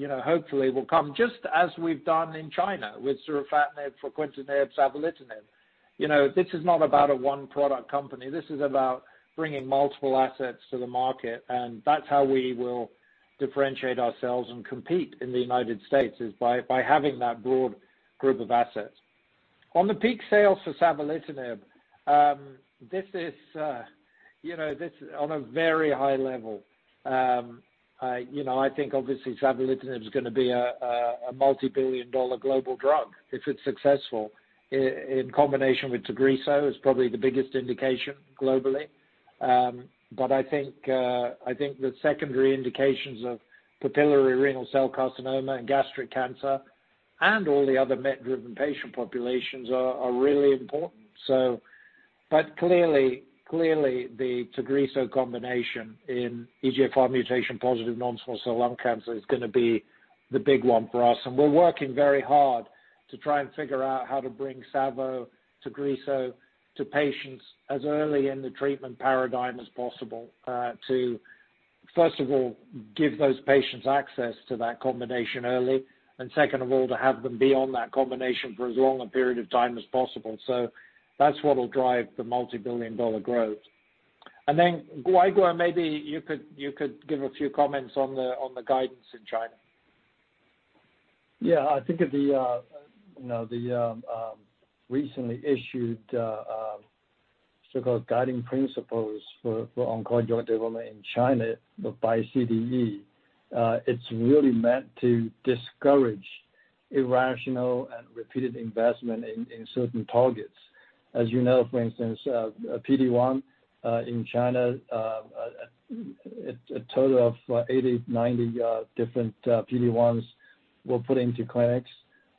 hopefully will come, just as we've done in China with surufatinib, fruquintinib, savolitinib. This is not about a one-product company. This is about bringing multiple assets to the market, and that's how we will differentiate ourselves and compete in the United States, is by having that broad group of assets. On the peak sales for savolitinib, this on a very high level. I think obviously savolitinib is going to be a multi-billion-dollar global drug if it's successful. In combination with TAGRISSO is probably the biggest indication globally. I think the secondary indications of papillary renal cell carcinoma and gastric cancer and all the other MET-driven patient populations are really important. Clearly the TAGRISSO combination in EGFR mutation-positive non-small cell lung cancer is going to be the big one for us, and we're working very hard to try and figure out how to bring savo, TAGRISSO to patients as early in the treatment paradigm as possible. To first of all, give those patients access to that combination early, and second of all, to have them be on that combination for as long a period of time as possible. That's what will drive the multibillion-dollar growth. Then Weiguo Su, maybe you could give a few comments on the guidance in China. Yeah. I think the recently issued so-called guiding principles for oncology drug development in China by CDE, it is really meant to discourage irrational and repeated investment in certain targets. As you know, for instance, PD-1 in China, a total of 80, 90 different PD-1s were put into clinics.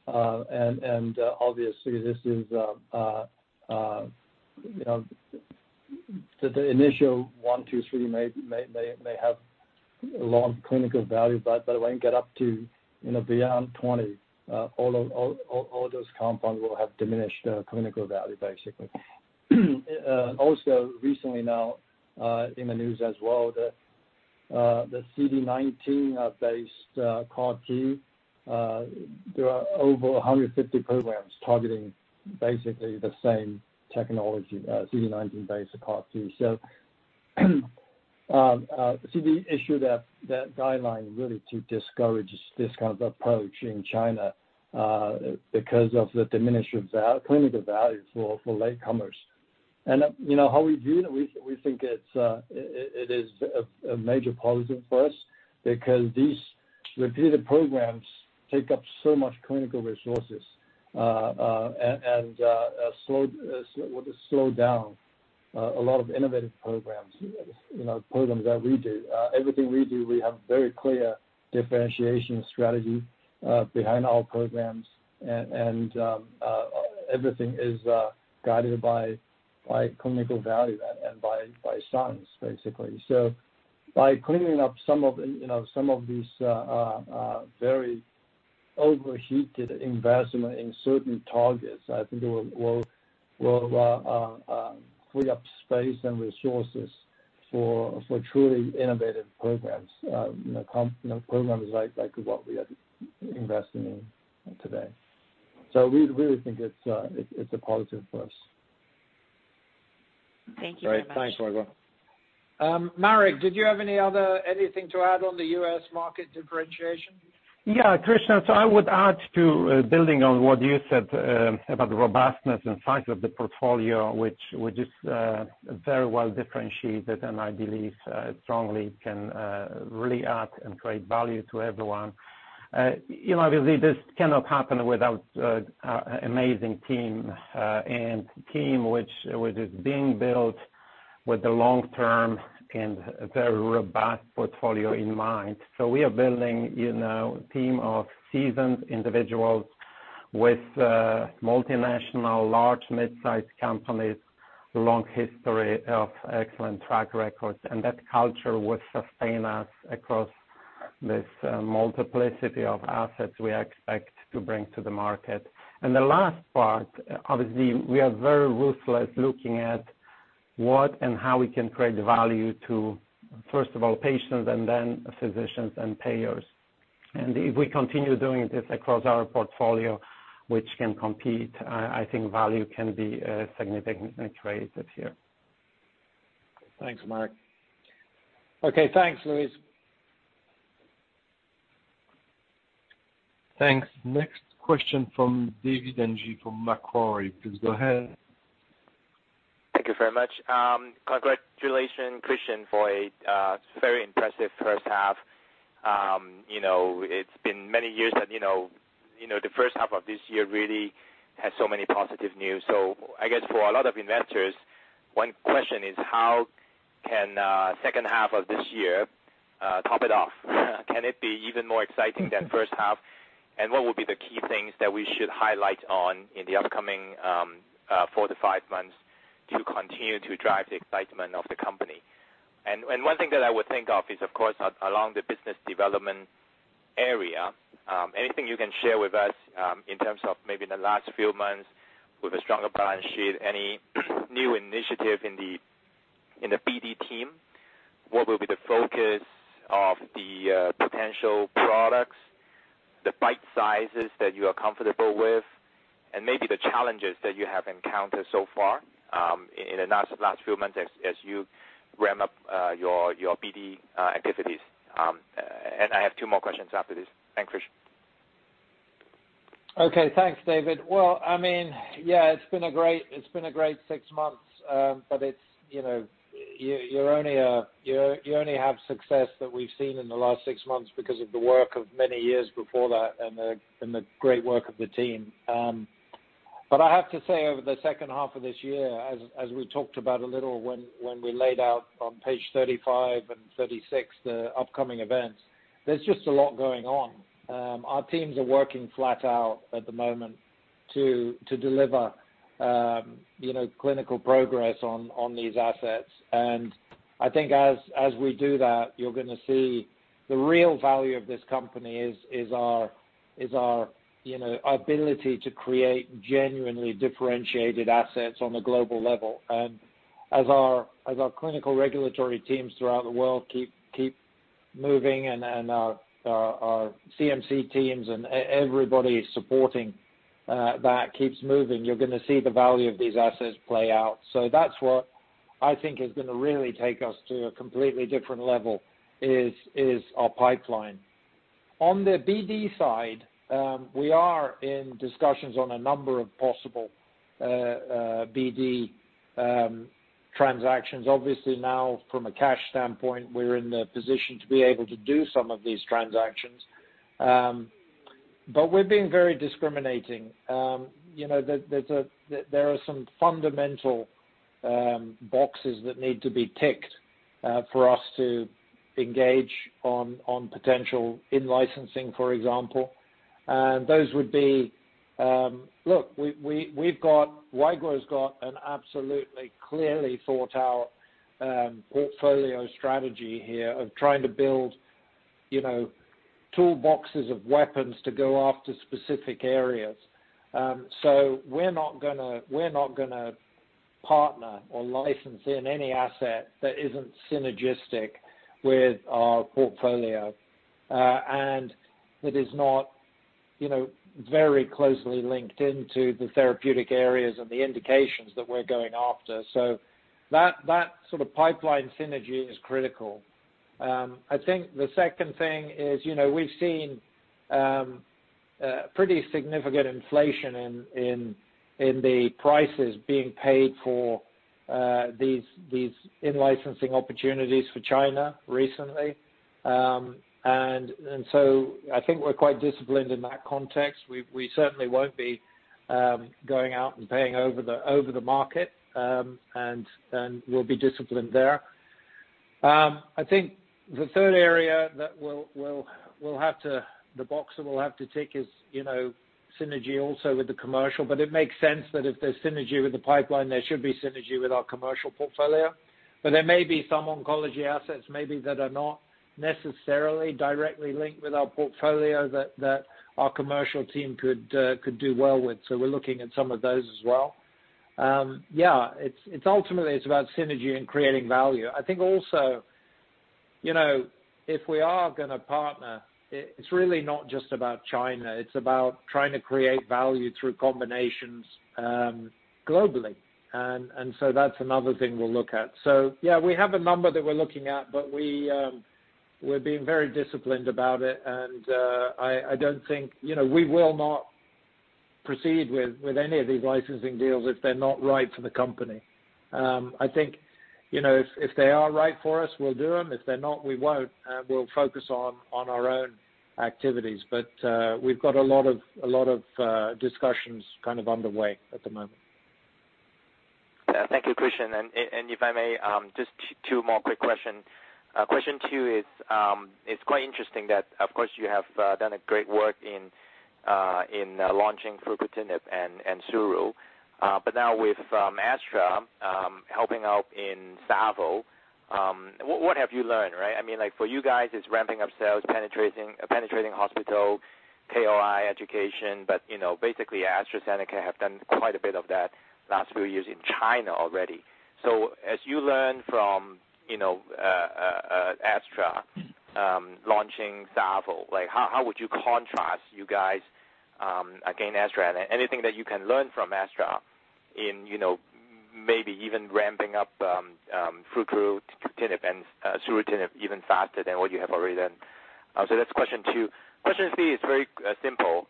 Obviously this is the initial 1, 2, 3 may have long clinical value, but by the way, get up to beyond 20, all those compounds will have diminished clinical value, basically. Also recently now in the news as well, the CD19-based CAR T, there are over 150 programs targeting basically the same technology, CD19-based CAR T. To the issue that guideline really to discourage this kind of approach in China, because of the diminished clinical value for latecomers. How we view it, we think it is a major positive for us because these repeated programs take up so much clinical resources and will slow down a lot of innovative programs that we do. Everything we do, we have very clear differentiation strategy behind our programs, and everything is guided by clinical value and by science, basically. By cleaning up some of these very overheated investment in certain targets, I think it will free up space and resources for truly innovative programs like what we are investing in today. We really think it's a positive for us. Thank you very much. Great. Thanks, Weiguo. Marek, did you have anything to add on the U.S. market differentiation? Yeah. Christian, I would add to building on what you said about robustness and size of the portfolio, which is very well differentiated, and I believe strongly can really add and create value to everyone. Obviously, this cannot happen without amazing team, and team which is being built with the long term and very robust portfolio in mind. We are building a team of seasoned individuals with multinational large mid-size companies, long history of excellent track records, and that culture will sustain us across this multiplicity of assets we expect to bring to the market. The last part, obviously, we are very ruthless looking at what and how we can create the value to, first of all, patients and then physicians and payers. If we continue doing this across our portfolio, which can compete, I think value can be significantly created here. Thanks, Mark. Okay, thanks, Louise. Thanks. Next question from David Ng from Macquarie. Please go ahead. Thank you very much. Congratulations, Christian, for a very impressive first half. It's been many years that the first half of this year really has so many positive news. I guess for a lot of investors, one question is how can second half of this year top it off? Can it be even more exciting than first half? What will be the key things that we should highlight on in the upcoming four to five months to continue to drive the excitement of the company? One thing that I would think of is, of course, along the business development area. Anything you can share with us in terms of maybe in the last few months with a stronger balance sheet, any new initiative in the BD team, what will be the focus of the potential products, the bite sizes that you are comfortable with, and maybe the challenges that you have encountered so far in the last few months as you ramp up your BD activities? I have two more questions after this. Thanks, Christian Hogg. Okay. Thanks, David. Well, it's been a great six months. You only have success that we've seen in the last six months because of the work of many years before that and the great work of the team. I have to say, over the second half of this year, as we talked about a little when we laid out on Page 35 and 36, the upcoming events, there's just a lot going on. Our teams are working flat out at the moment to deliver clinical progress on these assets. I think as we do that, you're going to see the real value of this company is our ability to create genuinely differentiated assets on a global level. As our clinical regulatory teams throughout the world keep moving and our CMC teams and everybody supporting that keeps moving, you're going to see the value of these assets play out. That's what I think is going to really take us to a completely different level, is our pipeline. On the BD side, we are in discussions on a number of possible BD transactions. Obviously, now from a cash standpoint, we're in the position to be able to do some of these transactions. We're being very discriminating. There are some fundamental boxes that need to be ticked for us to engage on potential in-licensing, for example. Look, Weiguo's got an absolutely clearly thought out portfolio strategy here of trying to build toolboxes of weapons to go after specific areas. We're not going to partner or license in any asset that isn't synergistic with our portfolio, and that is not very closely linked into the therapeutic areas and the indications that we're going after. That sort of pipeline synergy is critical. I think the second thing is we've seen pretty significant inflation in the prices being paid for these in-licensing opportunities for China recently. I think we're quite disciplined in that context. We certainly won't be going out and paying over the market, and we'll be disciplined there. I think the third area that the box that we'll have to tick is synergy also with the commercial. It makes sense that if there's synergy with the pipeline, there should be synergy with our commercial portfolio. There may be some oncology assets maybe that are not necessarily directly linked with our portfolio that our commercial team could do well with. We're looking at some of those as well. Yeah, it's ultimately it's about synergy and creating value. I think also if we are going to partner, it's really not just about China, it's about trying to create value through combinations globally. That's another thing we'll look at. Yeah, we have a number that we're looking at, but we're being very disciplined about it and we will not proceed with any of these licensing deals if they're not right for the company. I think if they are right for us, we'll do them. If they're not, we won't, and we'll focus on our own activities. We've got a lot of discussions kind of underway at the moment. Thank you, Christian. If I may, just two more quick questions. Question two is, it's quite interesting that, of course, you have done great work in launching fruquintinib and suru. Now with Astra helping out in savol, what have you learned? For you guys, it's ramping up sales, penetrating hospital, KOL education, but basically AstraZeneca have done quite a bit of that last few years in China already. As you learn from Astra launching savol, how would you contrast you guys against Astra? Anything that you can learn from Astra in maybe even ramping up fruquintinib and surufatinib even faster than what you have already done. That's question two. Question three is very simple.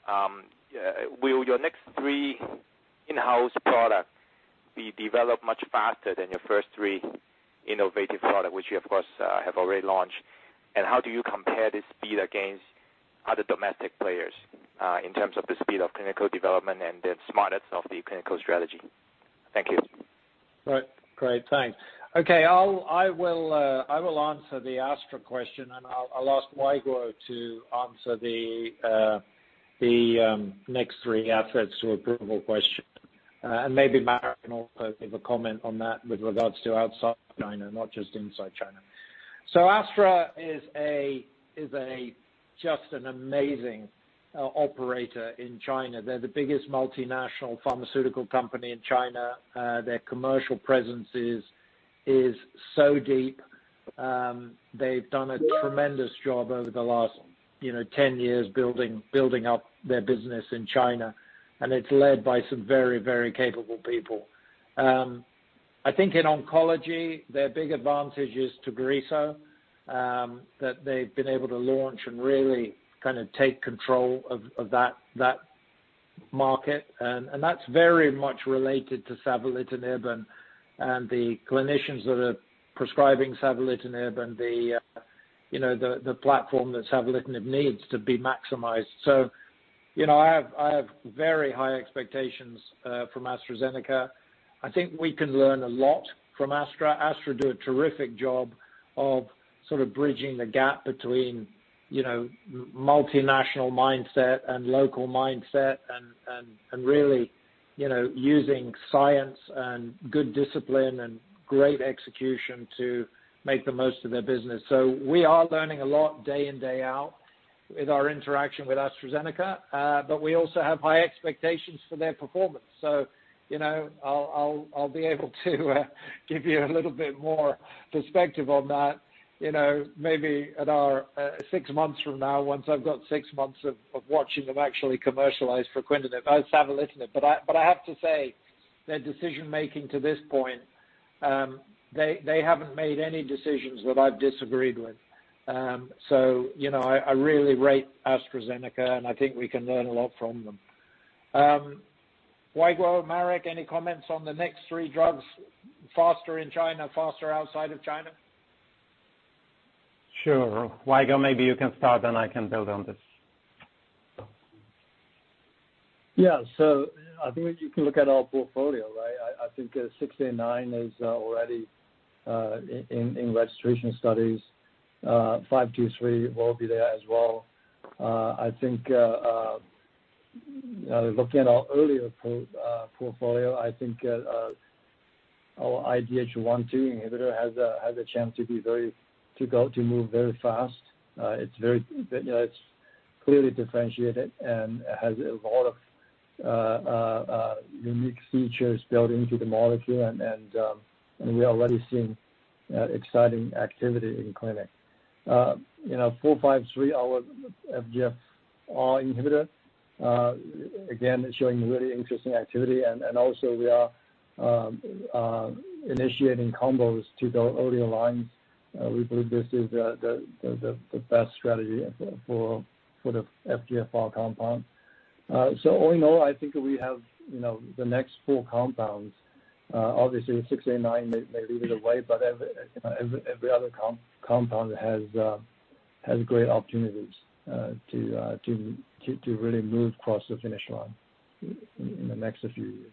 Will your next three in-house products be developed much faster than your first three innovative products, which you, of course, have already launched? How do you compare the speed against other domestic players in terms of the speed of clinical development and the smartness of the clinical strategy? Thank you. Right. Great, thanks. Okay, I will answer the Astra question, and I'll ask Weiguo to answer the next three assets to approval question. Maybe Marek can also leave a comment on that with regards to outside China, not just inside China. Astra is just an amazing operator in China. They're the biggest multinational pharmaceutical company in China. Their commercial presence is so deep. They've done a tremendous job over the last 10 years building up their business in China, and it's led by some very capable people. I think in oncology, their big advantage is Tagrisso, that they've been able to launch and really take control of that market. That's very much related to savolitinib and the clinicians that are prescribing savolitinib and the platform that savolitinib needs to be maximized. I have very high expectations from AstraZeneca. I think we can learn a lot from AstraZeneca. AstraZeneca do a terrific job of sort of bridging the gap between multinational mindset and local mindset, and really using science and good discipline and great execution to make the most of their business. We are learning a lot day in, day out with our interaction with AstraZeneca. We also have high expectations for their performance. I'll be able to give you a little bit more perspective on that maybe at our six months from now, once I've got six months of watching them actually commercialize fruquintinib and savolitinib. I have to say, their decision making to this point, they haven't made any decisions that I've disagreed with. I really rate AstraZeneca, and I think we can learn a lot from them. Weiguo, Marek, any comments on the next three drugs, faster in China, faster outside of China? Sure. Weiguo, maybe you can start, then I can build on this. I think you can look at our portfolio, right? I think amdizalisib is already in registration studies. sovleplenib will be there as well. I think, looking at our earlier portfolio, I think our IDH1/2 inhibitor has a chance to move very fast. It's clearly differentiated and has a lot of unique features built into the molecule, and we are already seeing exciting activity in clinic. HMPL-453, our FGFR inhibitor, again, is showing really interesting activity, and also we are initiating combos to those earlier lines. We believe this is the best strategy for the FGFR compound. All in all, I think we have the next four compounds. Obviously amdizalisib may lead the way, but every other compound has great opportunities to really move across the finish line in the next few years.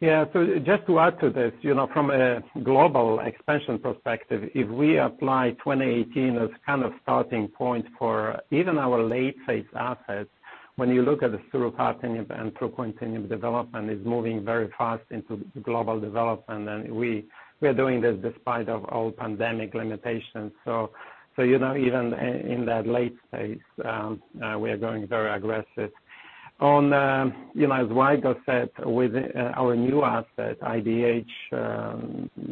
Yeah. Just to add to this, from a global expansion perspective, if we apply 2018 as kind of starting point for even our late phase assets, when you look at the surufatinib and fruquintinib development is moving very fast into global development, and we are doing this despite of all pandemic limitations. Even in that late stage, we are going very aggressive. As Weiguo said, with our new asset, IDH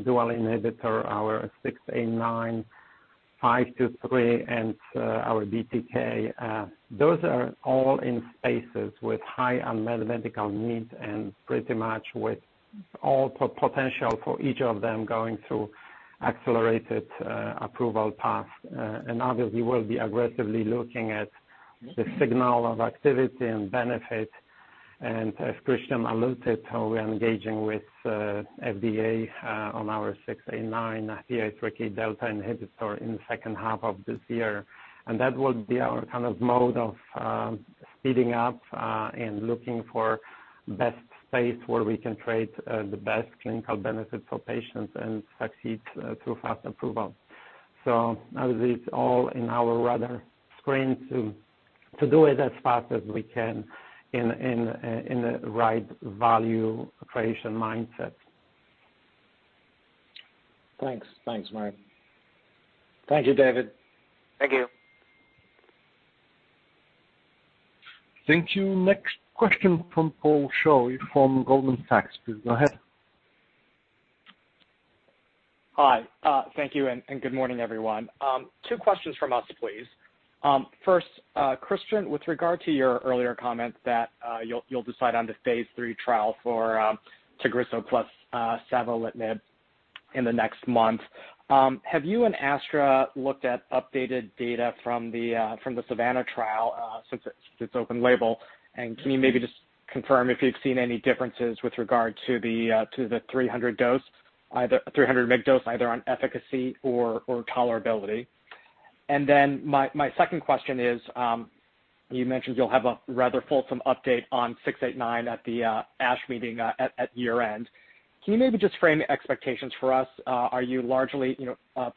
dual inhibitor, our amdizalisib, sovleplenib, and our BTK, those are all in spaces with high unmet medical need and pretty much with all potential for each of them going through accelerated approval path. Obviously, we'll be aggressively looking at the signal of activity and benefit. As Christian alluded, how we are engaging with FDA on our amdizalisib, the PI3K delta inhibitor, in the second half of this year. That will be our mode of speeding up and looking for best space where we can create the best clinical benefits for patients and succeed through fast approval. It's all in our rather sprint to do it as fast as we can in a right value creation mindset. Thanks, Marek. Thank you, David. Thank you. Thank you. Next question from Paul Choi from Goldman Sachs. Please go ahead. Hi. Thank you, and good morning, everyone. Two questions from us, please. First, Christian, with regard to your earlier comments that you'll decide on the phase III trial for TAGRISSO plus savolitinib in the next month, have you and Astra looked at updated data from the SAVANNAH trial, since it's open label? Can you maybe just confirm if you've seen any differences with regard to the 300 mg dose, either on efficacy or tolerability? My second question is, you mentioned you'll have a rather fulsome update on amdizalisib at the ASH meeting at year-end. Can you maybe just frame expectations for us? Are you largely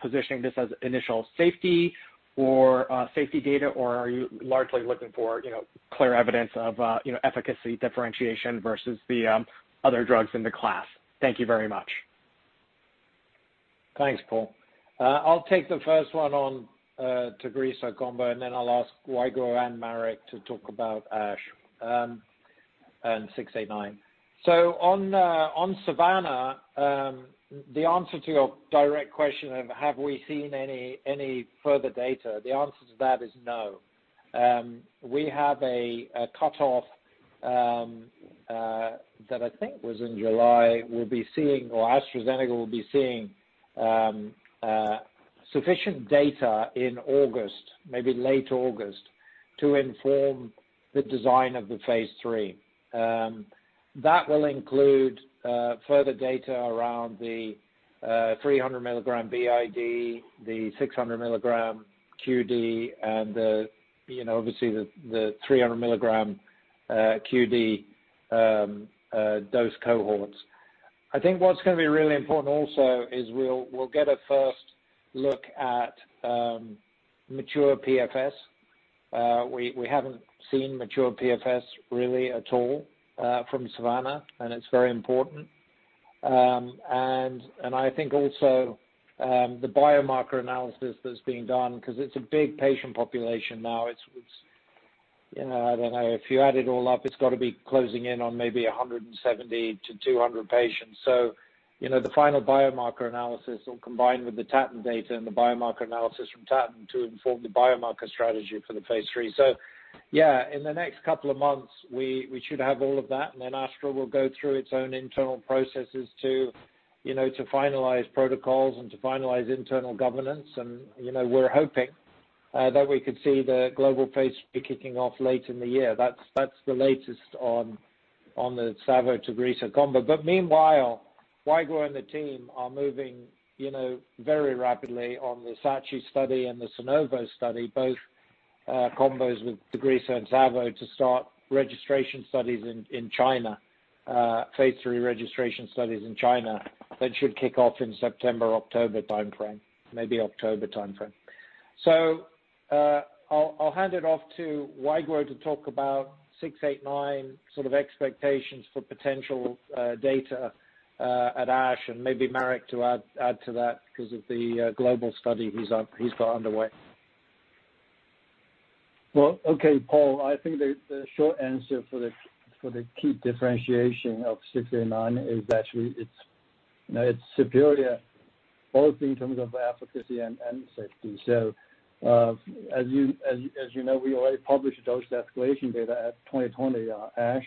positioning this as initial safety or safety data, or are you largely looking for clear evidence of efficacy differentiation versus the other drugs in the class? Thank you very much. Thanks, Paul. I'll take the first one on Tagrisso combo, and then I'll ask Weiguo and Marek to talk about ASH and amdizalisib. On Savannah, the answer to your direct question of have we seen any further data, the answer to that is no. We have a cut-off that I think was in July. We'll be seeing, or AstraZeneca will be seeing sufficient data in August, maybe late August, to inform the design of the phase III. That will include further data around the 300 mg BID, the 600 mg QD, and obviously, the 300 mg QD dose cohorts. I think what's going to be really important also is we'll get a first look at mature PFS. We haven't seen mature PFS really at all from Savannah, and it's very important. I think also the biomarker analysis that's being done, because it's a big patient population now. I don't know. If you add it all up, it's got to be closing in on maybe 170-200 patients. The final biomarker analysis will combine with the TATTON data and the biomarker analysis from TATTON to inform the biomarker strategy for the phase III. Yeah, in the next couple of months, we should have all of that, then Astra will go through its own internal processes to finalize protocols and to finalize internal governance. We're hoping that we could see the global phase III kicking off late in the year. That's the latest on the savo TAGRISSO combo. Meanwhile, Weiguo and the team are moving very rapidly on the SACHI study and the SANOVO study, both combos with TAGRISSO and savo to start phase III registration studies in China. That should kick off in September, October timeframe, maybe October timeframe. I'll hand it off to Weiguo to talk about amdizalisib sort of expectations for potential data at ASH, and maybe Marek to add to that because of the global study he's got underway. Well, okay, Paul, I think the short answer for the key differentiation of amdizalisib is actually it's superior both in terms of efficacy and safety. As you know, we already published dose escalation data at 2020 ASH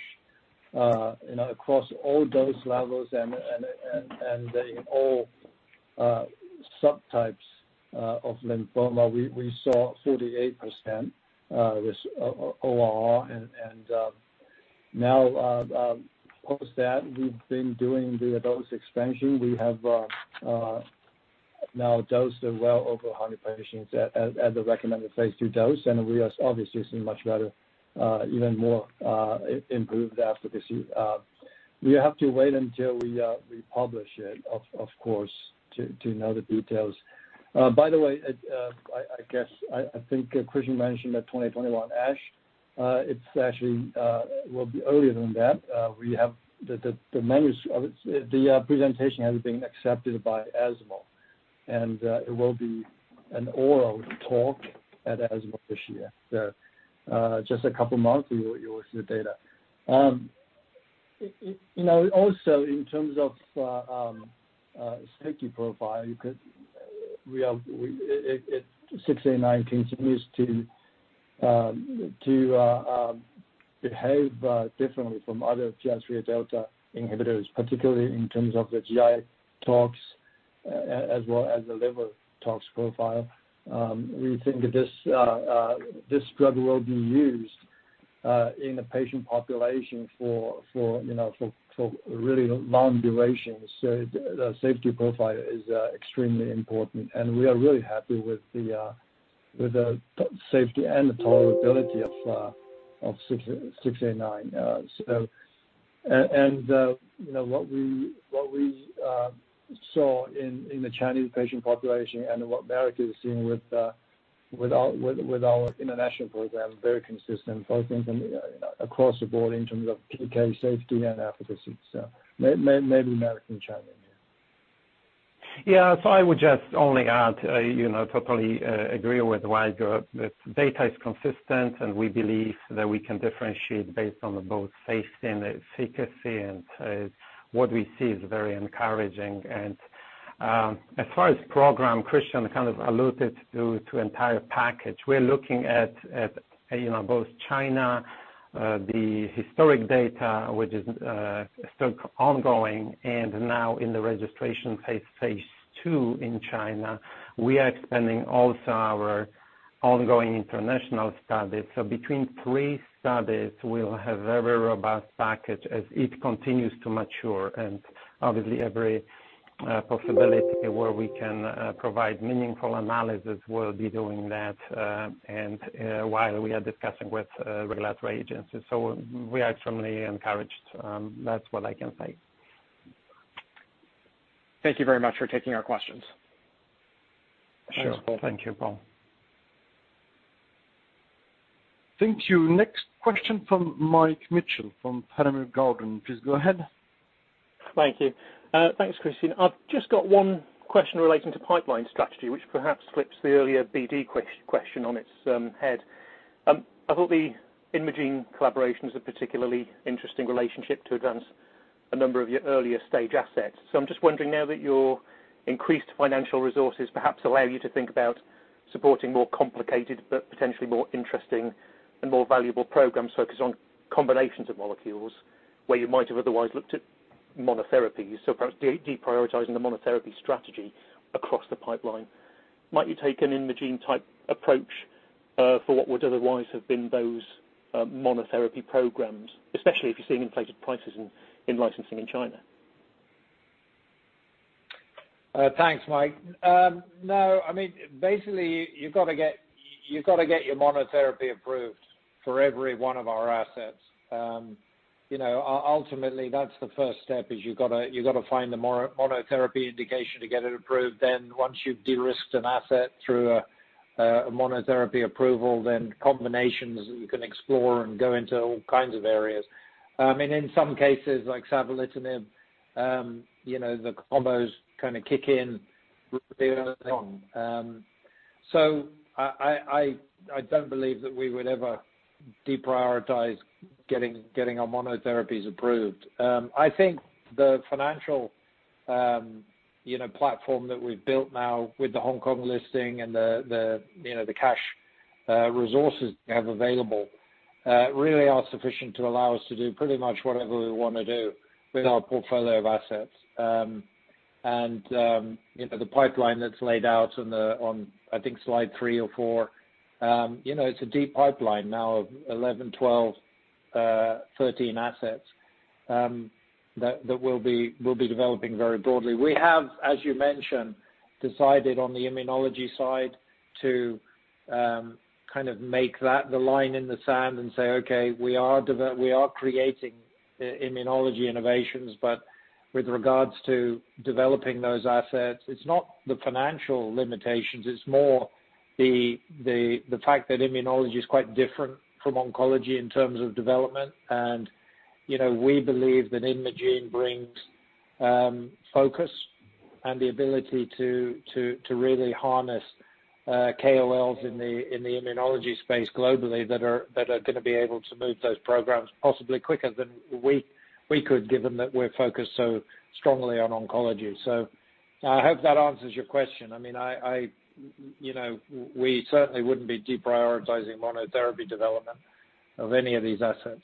across all dose levels and in all subtypes of lymphoma. We saw 38% ORR. Now post that, we've been doing the dose expansion. We have now dosed well over 100 patients at the recommended phase II dose, we are obviously seeing much better, even more improved efficacy. We have to wait until we publish it, of course, to know the details. By the way, I think Christian mentioned at 2021 ASH. It actually will be earlier than that. The presentation has been accepted by ESMO, it will be an oral talk at ESMO this year. Just a couple of months, you will see the data. In terms of safety profile, amdizalisib continues to behave differently from other PI3K delta inhibitors, particularly in terms of the GI tox as well as the liver tox profile. We think this drug will be used in a patient population for really long durations, so the safety profile is extremely important. We are really happy with the safety and the tolerability of amdizalisib. What we saw in the Chinese patient population and what Marek is seeing with our international program, very consistent both in across the board in terms of PK safety and efficacy. Maybe Marek can chime in here. Yeah. I would just only add, I totally agree with Weiguo. The data is consistent, and we believe that we can differentiate based on both safety and efficacy, and what we see is very encouraging. As far as program, Christian kind of alluded to entire package. We're looking at both China, the historic data, which is still ongoing, and now in the registration phase II in China. We are expanding also our ongoing international studies. Between three studies, we'll have very robust package as it continues to mature. Obviously every possibility where we can provide meaningful analysis, we'll be doing that, and while we are discussing with regulatory agencies. We are extremely encouraged. That's what I can say. Thank you very much for taking our questions. Sure. Thank you, Paul. Thank you. Next question from Mike Mitchell from Panmure Gordon. Please go ahead. Thank you. Thanks, Christian. I've just got one question relating to pipeline strategy, which perhaps flips the earlier BD question on its head. I thought the Imugene collaboration was a particularly interesting relationship to advance a number of your earlier stage assets. I'm just wondering now that your increased financial resources perhaps allow you to think about supporting more complicated but potentially more interesting and more valuable programs focused on combinations of molecules where you might have otherwise looked at monotherapies, perhaps deprioritizing the monotherapy strategy across the pipeline. Might you take an Imugene type approach for what would otherwise have been those monotherapy programs, especially if you're seeing inflated prices in licensing in China? Thanks, Mike. Basically, you've got to get your monotherapy approved for every one of our assets. Ultimately, that's the first step, is you've got to find the monotherapy indication to get it approved. Once you've de-risked an asset through a monotherapy approval, then combinations you can explore and go into all kinds of areas. In some cases, like savolitinib, the combos kind of kick in early on. I don't believe that we would ever deprioritize getting our monotherapies approved. I think the financial platform that we've built now with the Hong Kong listing and the cash resources we have available really are sufficient to allow us to do pretty much whatever we want to do with our portfolio of assets. The pipeline that's laid out on, I think, Slide three or four, it's a deep pipeline now of 11, 12, 13 assets that we'll be developing very broadly. We have, as you mentioned, decided on the immunology side to make that the line in the sand and say, okay, we are creating immunology innovations, but with regards to developing those assets, it's not the financial limitations, it's more the fact that immunology is quite different from oncology in terms of development. We believe that Imugene brings focus and the ability to really harness KOLs in the immunology space globally that are going to be able to move those programs possibly quicker than we could give them that we're focused so strongly on oncology. I hope that answers your question. We certainly wouldn't be deprioritizing monotherapy development of any of these assets.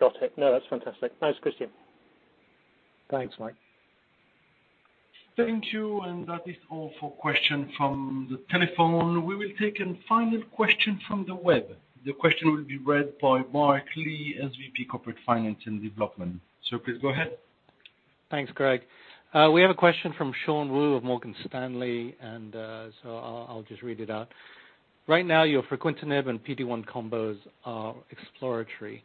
Got it. No, that's fantastic. Thanks, Christian. Thanks, Mike. Thank you, that is all for question from the telephone. We will take a final question from the web. The question will be read by Mark Lee, SVP Corporate Finance and Development. Please go ahead. Thanks, Greg. We have a question from Sean Wu of Morgan Stanley, and so I'll just read it out. Right now, your fruquintinib and PD-1 combos are exploratory.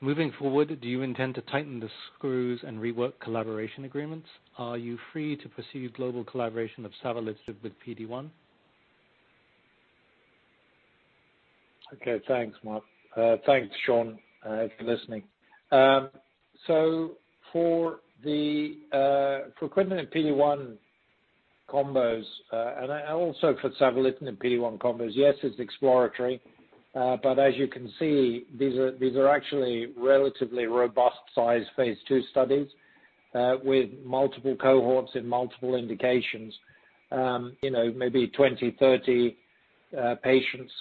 Moving forward, do you intend to tighten the screws and rework collaboration agreements? Are you free to pursue global collaboration of savolitinib with PD-1? Thanks, Mark. Thanks, Sean, if you're listening. For fruquintinib and PD-1 combos, and also for savolitinib and PD-1 combos, yes, it's exploratory. As you can see, these are actually relatively robust-sized phase II studies with multiple cohorts in multiple indications. Maybe 20, 30 patients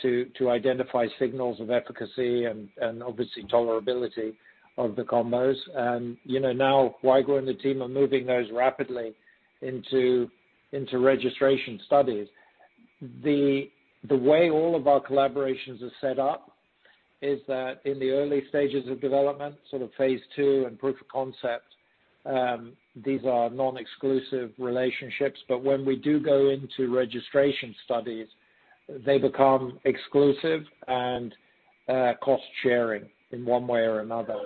to identify signals of efficacy and obviously tolerability of the combos. Weiguo and the team are moving those rapidly into registration studies. The way all of our collaborations are set up is that in the early stages of development, sort of phase II and proof of concept. These are non-exclusive relationships, when we do go into registration studies, they become exclusive and cost-sharing in one way or another.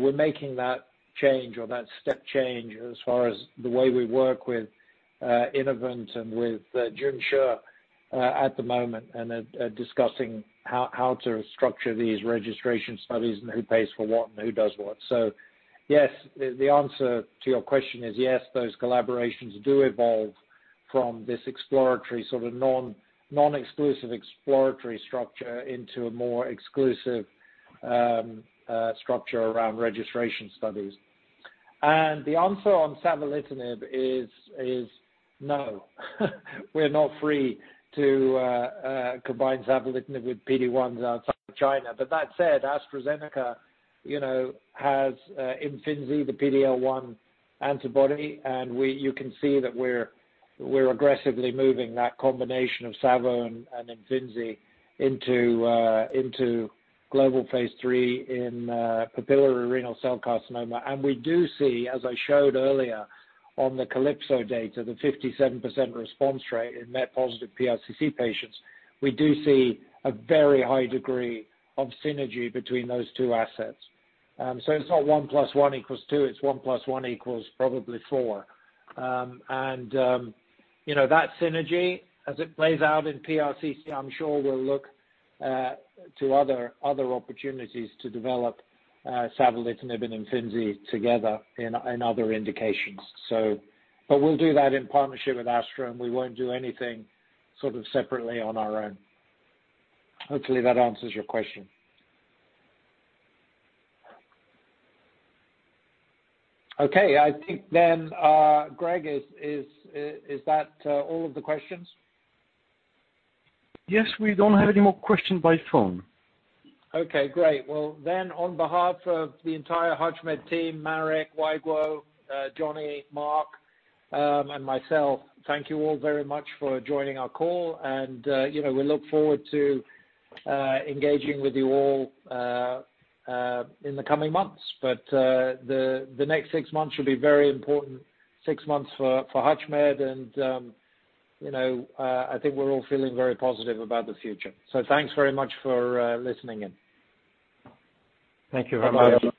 We're making that change or that step change as far as the way we work with Innovent and with Junshi at the moment, and discussing how to structure these registration studies and who pays for what and who does what. Yes, the answer to your question is yes, those collaborations do evolve from this exploratory sort of non-exclusive exploratory structure into a more exclusive structure around registration studies. The answer on savolitinib is no. We're not free to combine savolitinib with PD-1s outside of China. That said, AstraZeneca has IMFINZI, the PD-L1 antibody, and you can see that we're aggressively moving that combination of savo and IMFINZI into global phase III in papillary renal cell carcinoma. We do see, as I showed earlier on the CALYPSO data, the 57% response rate in MET-positive PRCC patients. We do see a very high degree of synergy between those two assets. It's not one plus one equals two, it's one plus one equals probably four. That synergy, as it plays out in PRCC, I'm sure we'll look to other opportunities to develop savolitinib and IMFINZI together in other indications. We'll do that in partnership with Astra, and we won't do anything sort of separately on our own. Hopefully, that answers your question. I think, Greg, is that all of the questions? Yes, we don't have any more questions by phone. Okay, great. On behalf of the entire HUTCHMED team, Marek, Weiguo, Johnny, Mark, and myself, thank you all very much for joining our call, and we look forward to engaging with you all in the coming months. The next six months should be very important six months for HUTCHMED, and I think we're all feeling very positive about the future. Thanks very much for listening in. Thank you very much.